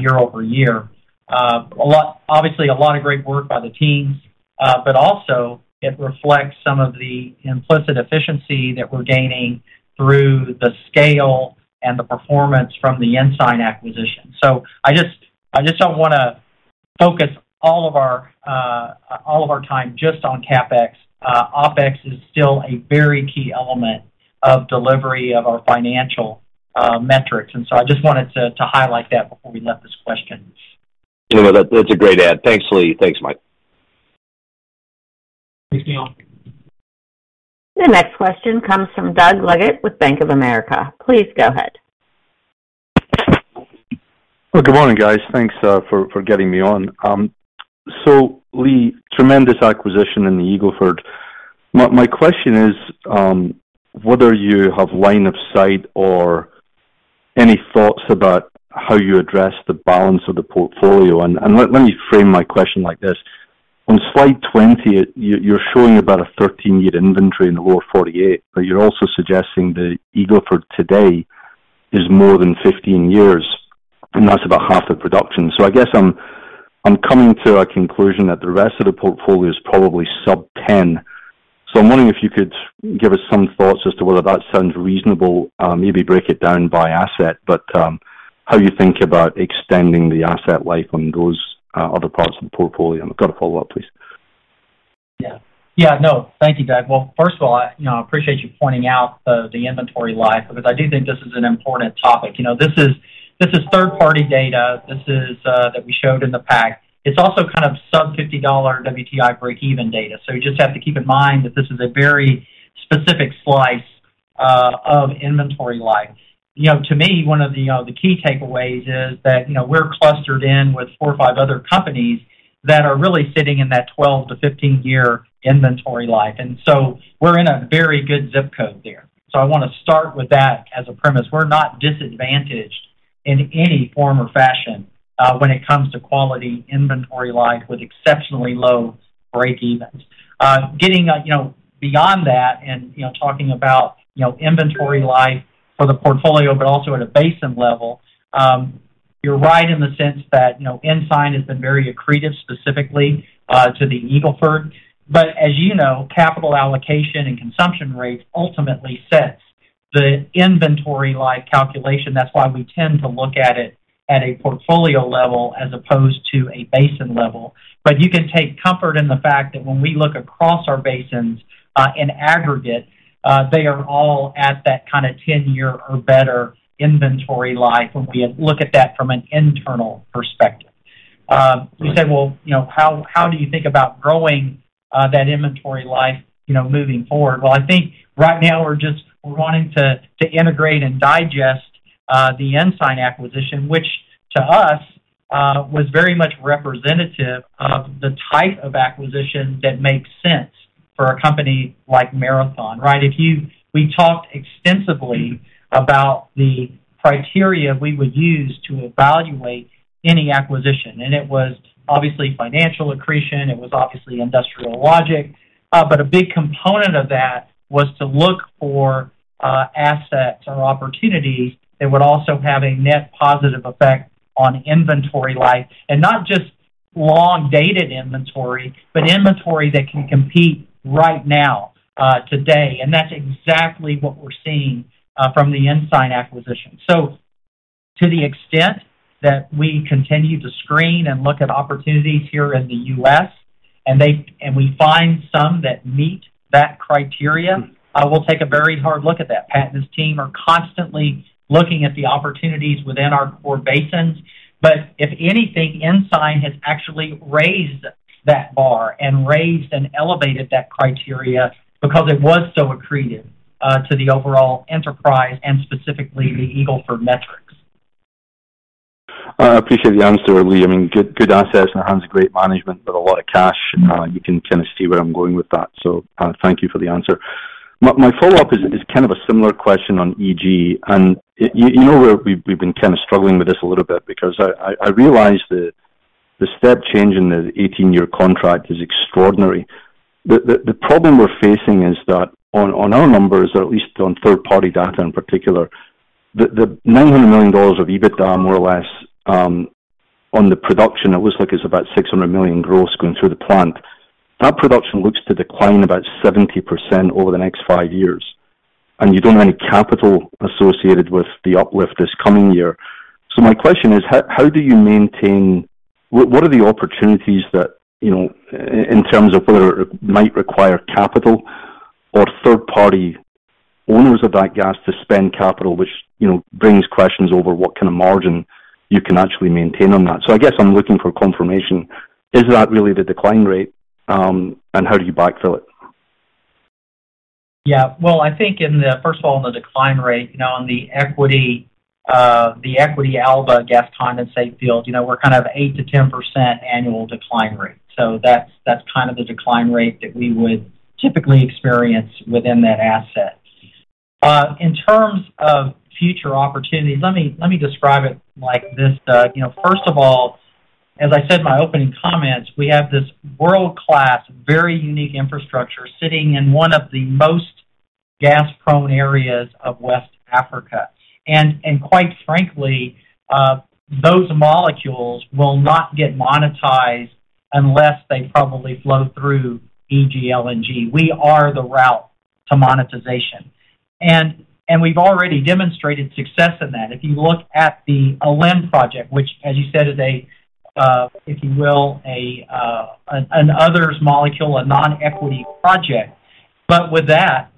year-over-year. Obviously, a lot of great work by the teams, but also it reflects some of the implicit efficiency that we're gaining through the scale and the performance from the Ensign acquisition. I just don't wanna focus all of our time just on CapEx. OpEx is still a very key element of delivery of our financial metrics. I just wanted to highlight that before we left this question. No, that's a great add. Thanks, Lee. Thanks, Mike. Thanks, Neal. The next question comes from Douglas Leggate with Bank of America. Please go ahead. Well, good morning, guys. Thanks for getting me on. Lee, tremendous acquisition in the Eagle Ford. My question is whether you have line of sight or any thoughts about how you address the balance of the portfolio. Let me frame my question like this. On Slide 20, you're showing about a 13-year inventory in the lower 48, but you're also suggesting the Eagle Ford today is more than 15 years, and that's about half of production. I guess I'm coming to a conclusion that the rest of the portfolio is probably Sub 10. I'm wondering if you could give us some thoughts as to whether that sounds reasonable, maybe break it down by asset, but how you think about extending the asset life on those other parts of the portfolio. I've got a follow-up, please. Yeah. Yeah, no. Thank you, Doug. Well, first of all, you know, I appreciate you pointing out the inventory life because I do think this is an important topic. You know, this is third-party data. This is that we showed in the pack. It's also kind of sub $50 WTI breakeven data. You just have to keep in mind that this is a very specific slice of inventory life. You know, to me, one of the key takeaways is that, you know, we're clustered in with four or five other companies that are really sitting in that 12–15-year inventory life. We're in a very good ZIP code there. I wanna start with that as a premise. We're not disadvantaged in any form or fashion, when it comes to quality inventory life with exceptionally low break-evens. Getting, you know, beyond that and, you know, talking about, you know, inventory life for the portfolio but also at a basin level, you're right in the sense that, you know, Ensign has been very accretive specifically, to the Eagle Ford. As you know, capital allocation and consumption rates ultimately sets the inventory life calculation. That's why we tend to look at it at a portfolio level as opposed to a basin level. You can take comfort in the fact that when we look across our basins, in aggregate, they are all at that kind of 10-year or better inventory life when we look at that from an internal perspective. You said, well, you know, how do you think about growing that inventory life, you know, moving forward? Well, I think right now we're wanting to integrate and digest the Ensign acquisition, which to us was very much representative of the type of acquisition that makes sense for a company like Marathon, right? We talked extensively about the criteria we would use to evaluate any acquisition, and it was obviously financial accretion, it was obviously industrial logic, but a big component of that was to look for assets or opportunities that would also have a net positive effect on inventory life. Not just long-dated inventory, but inventory that can compete right now today. That's exactly what we're seeing from the Ensign acquisition. To the extent that we continue to screen and look at opportunities here in the U.S., and we find some that meet that criteria, we'll take a very hard look at that. Pat and his team are constantly looking at the opportunities within our core basins. If anything, Ensign has actually raised that bar and raised and elevated that criteria because it was so accretive to the overall enterprise and specifically the Eagle Ford metrics. I appreciate the answer, Lee. I mean, good assets in the hands of great management with a lot of cash. You can kind of see where I'm going with that. Thank you for the answer. My follow-up is kind of a similar question on EG. You know where we've been kind of struggling with this a little bit because I realize that the step change in the 18-year contract is extraordinary. The problem we're facing is that on our numbers, or at least on third-party data in particular, the $900 million of EBITDA, more or less, on the production, it looks like it's about $600 million gross going through the plant. That production looks to decline about 70% over the next five years, and you don't have any capital associated with the uplift this coming year. My question is: What are the opportunities that, you know, in terms of whether it might require capital or third-party owners of that gas to spend capital, which, you know, brings questions over what kind of margin you can actually maintain on that. I guess I'm looking for confirmation. Is that really the decline rate, and how do you backfill it? Well, I think first of all, in the decline rate, you know, on the equity, the equity Alen gas condensate field, you know, we're kind of 8%-10% annual decline rate. That's, that's kind of the decline rate that we would typically experience within that asset. In terms of future opportunities, let me describe it like this, you know, first of all, as I said in my opening comments, we have this world-class, very unique infrastructure sitting in one of the most gas-prone areas of West Africa. Quite frankly, those molecules will not get monetized unless they probably flow through EG LNG. We are the route to monetization. We've already demonstrated success in that. If you look at the Alen project, which, as you said, is a, if you will, a, an others molecule, a non-equity project. With that,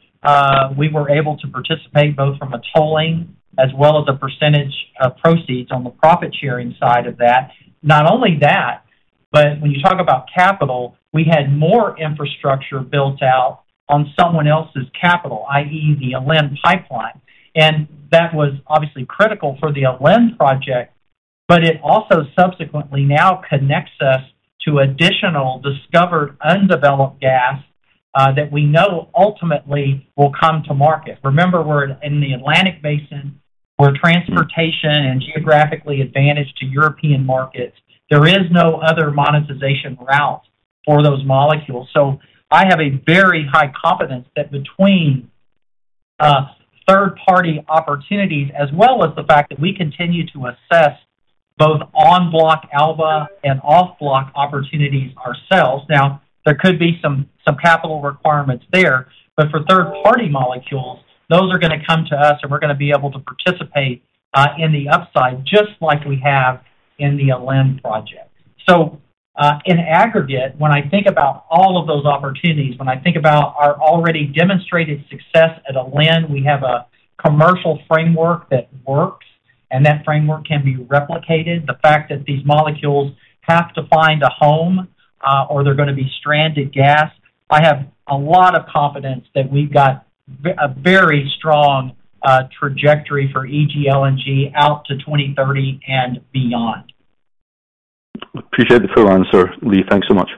we were able to participate both from a tolling as well as a percentage of proceeds on the profit-sharing side of that. Not only that, when you talk about capital, we had more infrastructure built out on someone else's capital, i.e., the Alen pipeline. That was obviously critical for the Alen project, but it also subsequently now connects us to additional discovered undeveloped gas that we know ultimately will come to market. Remember, we're in the Atlantic Basin. We're transportation and geographically advantaged to European markets. There is no other monetization route for those molecules. I have a very high confidence that between third-party opportunities as well as the fact that we continue to assess both on-block Alba and off-block opportunities ourselves. Now, there could be some capital requirements there, but for third-party molecules, those are going to come to us, and we're going to be able to participate in the upside, just like we have in the Alen project. In aggregate, when I think about all of those opportunities, when I think about our already demonstrated success at Alen, we have a commercial framework that works, and that framework can be replicated. The fact that these molecules have to find a home, or they're going to be stranded gas, I have a lot of confidence that we've got a very strong trajectory for EGLNG out to 2030 and beyond. Appreciate the full answer, Lee. Thanks so much.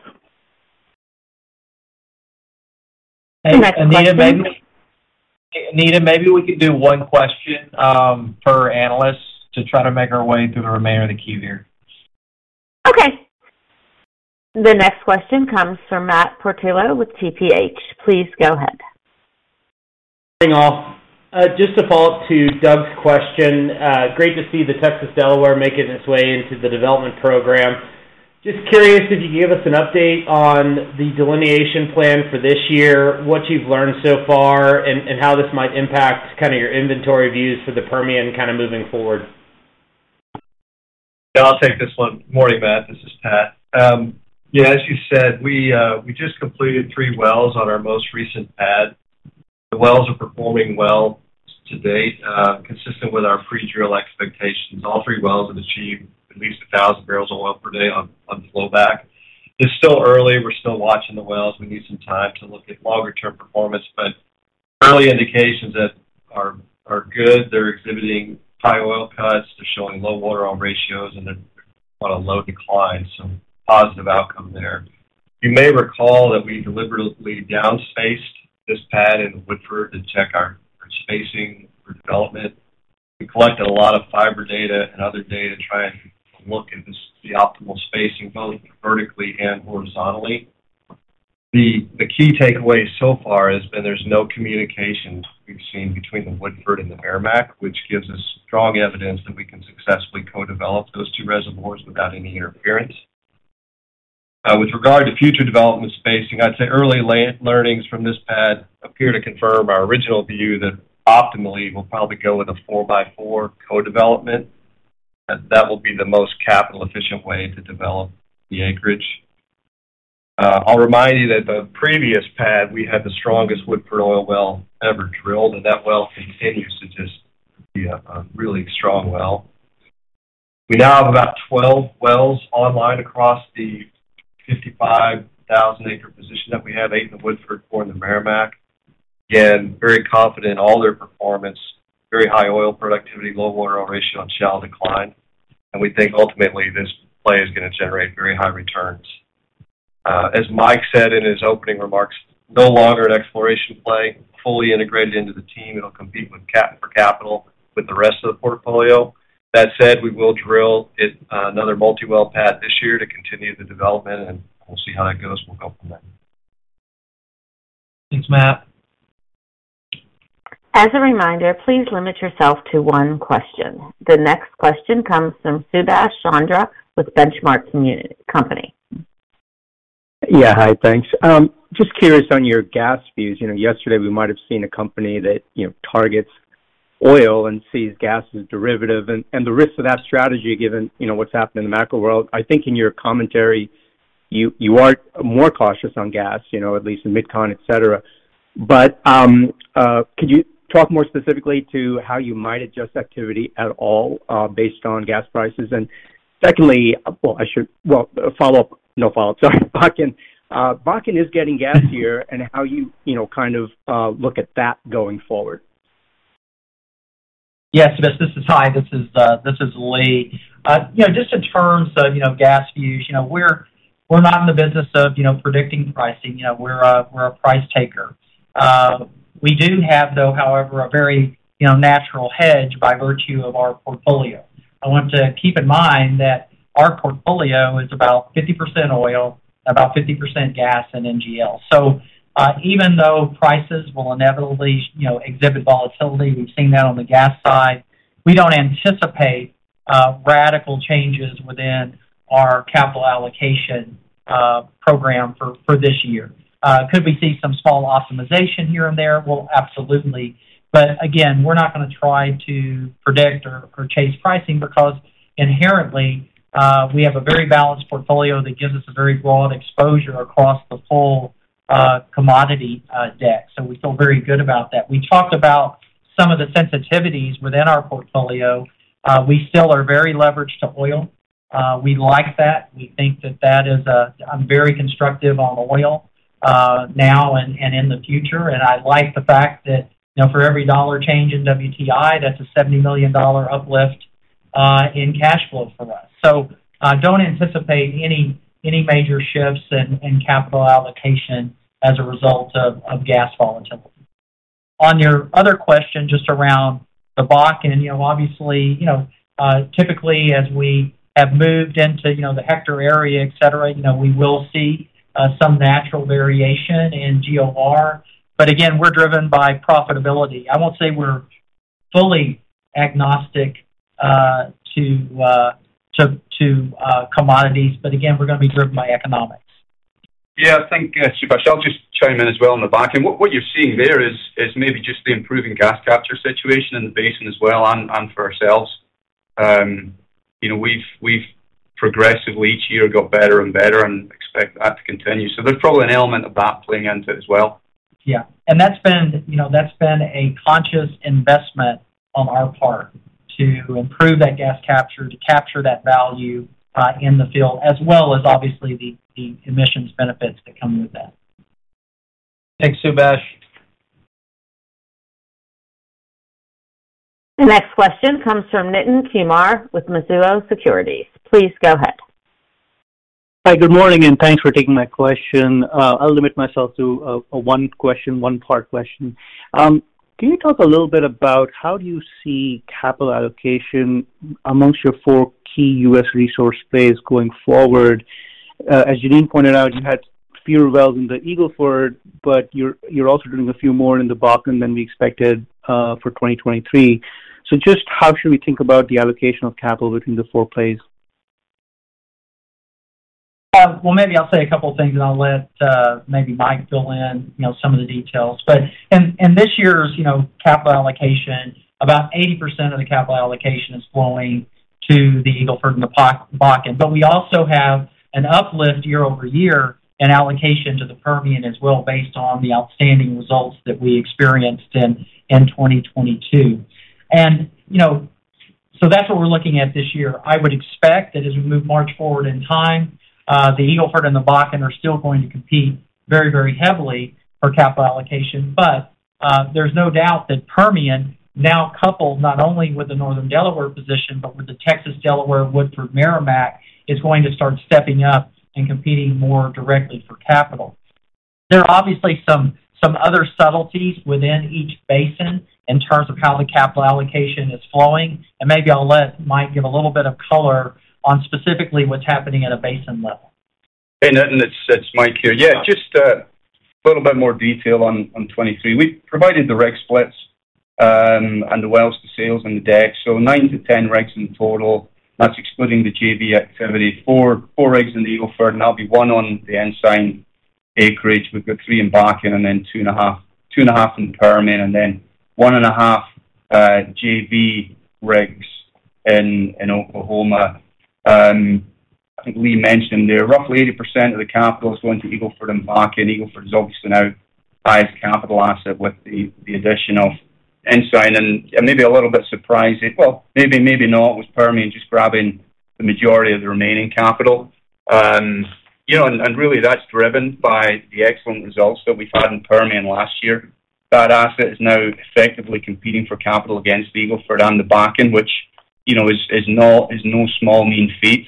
The next question. Hey, Anita, maybe we could do one question per analyst to try to make our way through the remainder of the queue here. Okay. The next question comes from Matt Portillo with TPH. Please go ahead. Off. Just a follow-up to Doug's question. Great to see the Texas Delaware making its way into the development program. Just curious if you could give us an update on the delineation plan for this year, what you've learned so far and how this might impact kinda your inventory views for the Permian kinda moving forward? Yeah, I'll take this one. Morning, Matt. This is Pat. Yeah, as you said, we just completed three wells on our most recent pad. The wells are performing well to date, consistent with our pre-drill expectations. All three wells have achieved at least 1,000 barrels of oil per day on flowback. It's still early. We're still watching the wells. We need some time to look at longer-term performance, but early indications that are good. They're exhibiting high oil cuts. They're showing low water oil ratios, and they're on a low decline. Positive outcome there. You may recall that we deliberately down spaced this pad in Woodford to check our spacing for development. We collected a lot of fiber data and other data to try and look at this, the optimal spacing, both vertically and horizontally. The key takeaway so far has been there's no communication we've seen between the Woodford and the Meramec, which gives us strong evidence that we can successfully co-develop those two reservoirs without any interference. With regard to future development spacing, I'd say early learnings from this pad appear to confirm our original view that optimally we'll probably go with a four-by-four co-development. That will be the most capital efficient way to develop the acreage. I'll remind you that the previous pad, we had the strongest Woodford oil well ever drilled, and that well continues to just be a really strong well. We now have about 12 wells online across the 55,000-acre position that we have, eight in the Woodford, four in the Meramec. Again, very confident in all their performance, very high oil productivity, low water oil ratio on shallow decline. We think ultimately this play is going to generate very high returns. As Mike said in his opening remarks, no longer an exploration play, fully integrated into the team. It'll compete for capital with the rest of the portfolio. That said, we will drill it another multi-well pad this year to continue the development, and we'll see how that goes. We'll go from there. Thanks, Matt. As a reminder, please limit yourself to one question. The next question comes from Subhasish Chandra with The Benchmark Company. Yeah. Hi. Thanks. Just curious on your gas views. You know, yesterday, we might have seen a company that, you know, targets oil and sees gas as a derivative and the risks of that strategy, given, you know, what's happened in the macro world. I think in your commentary, you are more cautious on gas, you know, at least in MidCon, et cetera. Could you talk more specifically to how you might adjust activity at all based on gas prices? Follow up. No follow-up. Sorry. Bakken. Bakken is getting gas here and how you know, kind of look at that going forward. Yes, this is Hi, this is Lee. You know, just in terms of, you know, gas views, you know, we're not in the business of, you know, predicting pricing. You know, we're a price taker. We do have, though, however, a very, you know, natural hedge by virtue of our portfolio. I want to keep in mind that our portfolio is about 50% oil, about 50% gas and NGL. Even though prices will inevitably, you know, exhibit volatility, we've seen that on the gas side, we don't anticipate radical changes within our capital allocation program for this year. Could we see some small optimization here and there? Well, absolutely. Again, we're not going to try to predict or chase pricing because inherently, we have a very balanced portfolio that gives us a very broad exposure across the full commodity deck. We feel very good about that. We talked about some of the sensitivities within our portfolio. We still are very leveraged to oil. We like that. We think that that is, I'm very constructive on oil, now and in the future. I like the fact that, you know, for every dollar change in WTI, that's a $70 million uplift in cash flow for us. Don't anticipate any major shifts in capital allocation as a result of gas volatility. On your other question, just around the Bakken, you know, obviously, you know, typically, as we have moved into, you know, the Hector area, et cetera, you know, we will see, some natural variation in GOR. Again, we're driven by profitability. I won't say we're fully agnostic, to commodities, but again, we're going to be driven by economics. Yeah. Thank you, Subash. I'll just chime in as well on the Bakken. What you're seeing there is maybe just the improving gas capture situation in the basin as well and for ourselves. You know, we've progressively each year got better and better and expect that to continue. There's probably an element of that playing into it as well. Yeah. That's been, you know, that's been a conscious investment on our part to improve that gas capture, to capture that value, in the field, as well as obviously the emissions benefits that come with that. Thanks, Subhasish. The next question comes from Nitin Kumar with Mizuho Securities. Please go ahead. Hi. Good morning, and thanks for taking my question. I'll limit myself to, one question, one part question. Can you talk a little bit about how do you see capital allocation amongst your four key U.S. resource plays going forward? As Jeanine pointed out, you had fewer wells in the Eagle Ford, but you're also drilling a few more in the Bakken than we expected, for 2023. Just how should we think about the allocation of capital between the four plays? Well, maybe I'll say a couple of things and I'll let maybe Mike fill in, you know, some of the details. In this year's, you know, capital allocation, about 80% of the capital allocation is flowing to the Eagle Ford and the Bakken. We also have an uplift year-over-year and allocation to the Permian as well based on the outstanding results that we experienced in 2022. You know, so that's what we're looking at this year. I would expect that as we move March forward in time, the Eagle Ford and the Bakken are still going to compete very, very heavily for capital allocation. There's no doubt that Permian now coupled not only with the northern Delaware position, but with the Texas Delaware Woodford Meramec, is going to start stepping up and competing more directly for capital. There are obviously some other subtleties within each basin in terms of how the capital allocation is flowing. Maybe I'll let Mike give a little bit of color on specifically what's happening at a basin level. Hey, Nitin, it's Mike here. Yeah, just a little bit more detail on 2022. We provided the rig splits, and the wells to sales and the deck. 9-10 rigs in total. That's excluding the JV activity. 4 rigs in the Eagle Ford, and that'll be one on the Ensign acreage. We've got 3 in Bakken and then 2.5 in the Permian, and then 1.5 JV rigs in Oklahoma. I think Lee mentioned there, roughly 80% of the capital is going to Eagle Ford and Bakken. Eagle Ford is obviously now highest capital asset with the addition of Ensign. Maybe a little bit surprising. Well, maybe not, with Permian just grabbing the majority of the remaining capital. you know, really that's driven by the excellent results that we've had in Permian last year. That asset is now effectively competing for capital against the Eagle Ford and the Bakken. You know, is no small mean feat.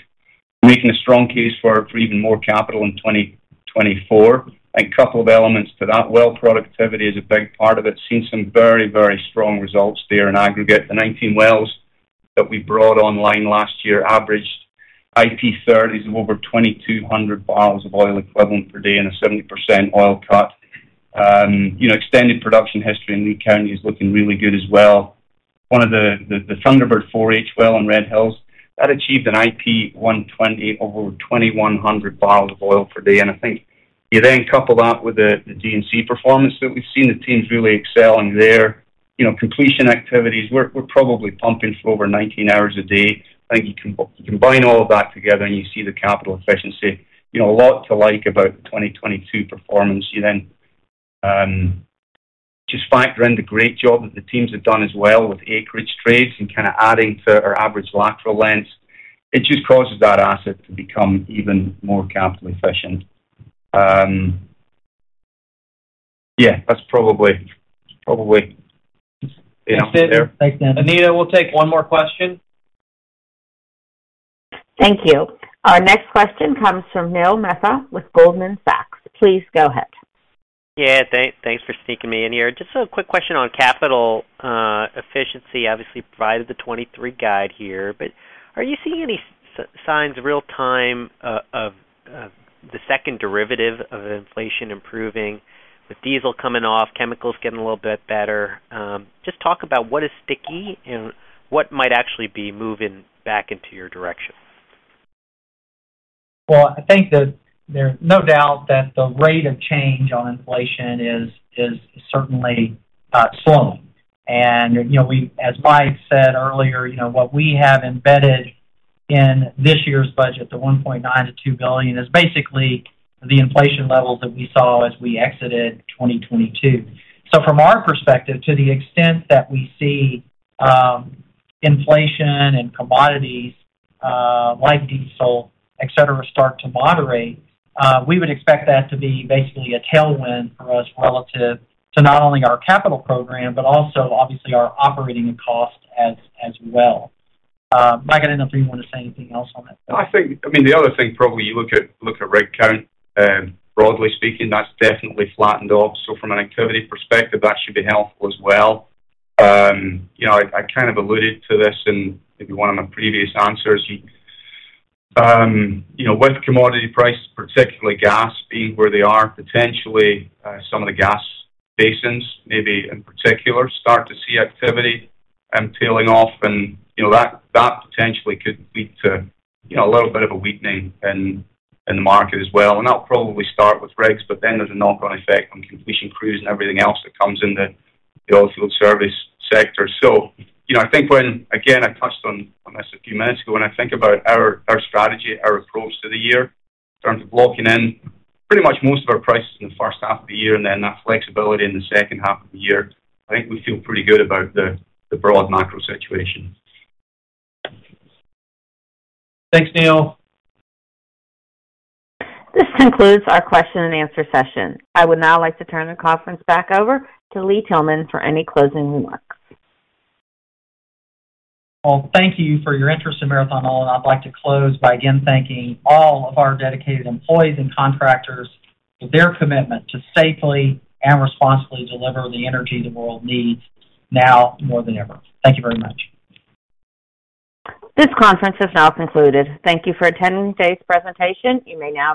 We're making a strong case for even more capital in 2024. I think couple of elements to that. Well, productivity is a big part of it. Seen some very, very strong results there in aggregate. The 19 wells that we brought online last year averaged IP30s of over 2,200 barrels of oil equivalent per day and a 70% oil cut. you know, extended production history in Lea County is looking really good as well. One of the Thunderbird 4H well in Red Hills, that achieved an IP120 over 2,100 barrels of oil per day. I think you then couple that with the D&C performance that we've seen, the team's really excelling there. You know, completion activities, we're probably pumping for over 19 hours a day. I think you combine all of that together, and you see the capital efficiency. You know, a lot to like about the 2022 performance. You then just factor in the great job that the teams have done as well with acreage trades and kind of adding to our average lateral lengths. It just causes that asset to become even more capital efficient. That's probably it there. Thanks Nitin. Anita, we'll take one more question. Thank you. Our next question comes from Neil Mehta with Goldman Sachs. Please go ahead. Thanks for sneaking me in here. Just a quick question on capital efficiency. Obviously, you provided the 23 guide here, but are you seeing any signs real-time of the second derivative of inflation improving? With diesel coming off, chemicals getting a little bit better, just talk about what is sticky and what might actually be moving back into your direction. Well, I think that there's no doubt that the rate of change on inflation is certainly slowing. You know, as Mike said earlier, you know, what we have embedded in this year's budget, the $1.9 billion-$2 billion, is basically the inflation levels that we saw as we exited 2022. From our perspective, to the extent that we see inflation and commodities like diesel, et cetera, start to moderate, we would expect that to be basically a tailwind for us relative to not only our capital program, but also obviously our operating costs as well. Mike, I don't know if you wanna say anything else on that. I think I mean, the other thing, probably you look at rig count, broadly speaking, that's definitely flattened off. From an activity perspective, that should be helpful as well. You know, I kind of alluded to this in maybe one of my previous answers. You know, with commodity prices, particularly gas being where they are, potentially, some of the gas basins, maybe in particular, start to see activity, tailing off and, you know, that potentially could lead to, you know, a little bit of a weakening in the market as well. That'll probably start with rigs, but then there's a knock-on effect on completion crews and everything else that comes into the oilfield service sector. You know, I think when, again, I touched on this a few minutes ago, when I think about our strategy, our approach to the year in terms of locking in pretty much most of our prices in the first half of the year and then that flexibility in the second half of the year, I think we feel pretty good about the broad macro situation. Thanks, Neil. This concludes our question-and-answer session. I would now like to turn the conference back over to Lee Tillman for any closing remarks. Well, thank you for your interest in Marathon Oil, and I'd like to close by again thanking all of our dedicated employees and contractors for their commitment to safely and responsibly deliver the energy the world needs now more than ever. Thank you very much. This conference is now concluded. Thank you for attending today's presentation. You may now disconnect.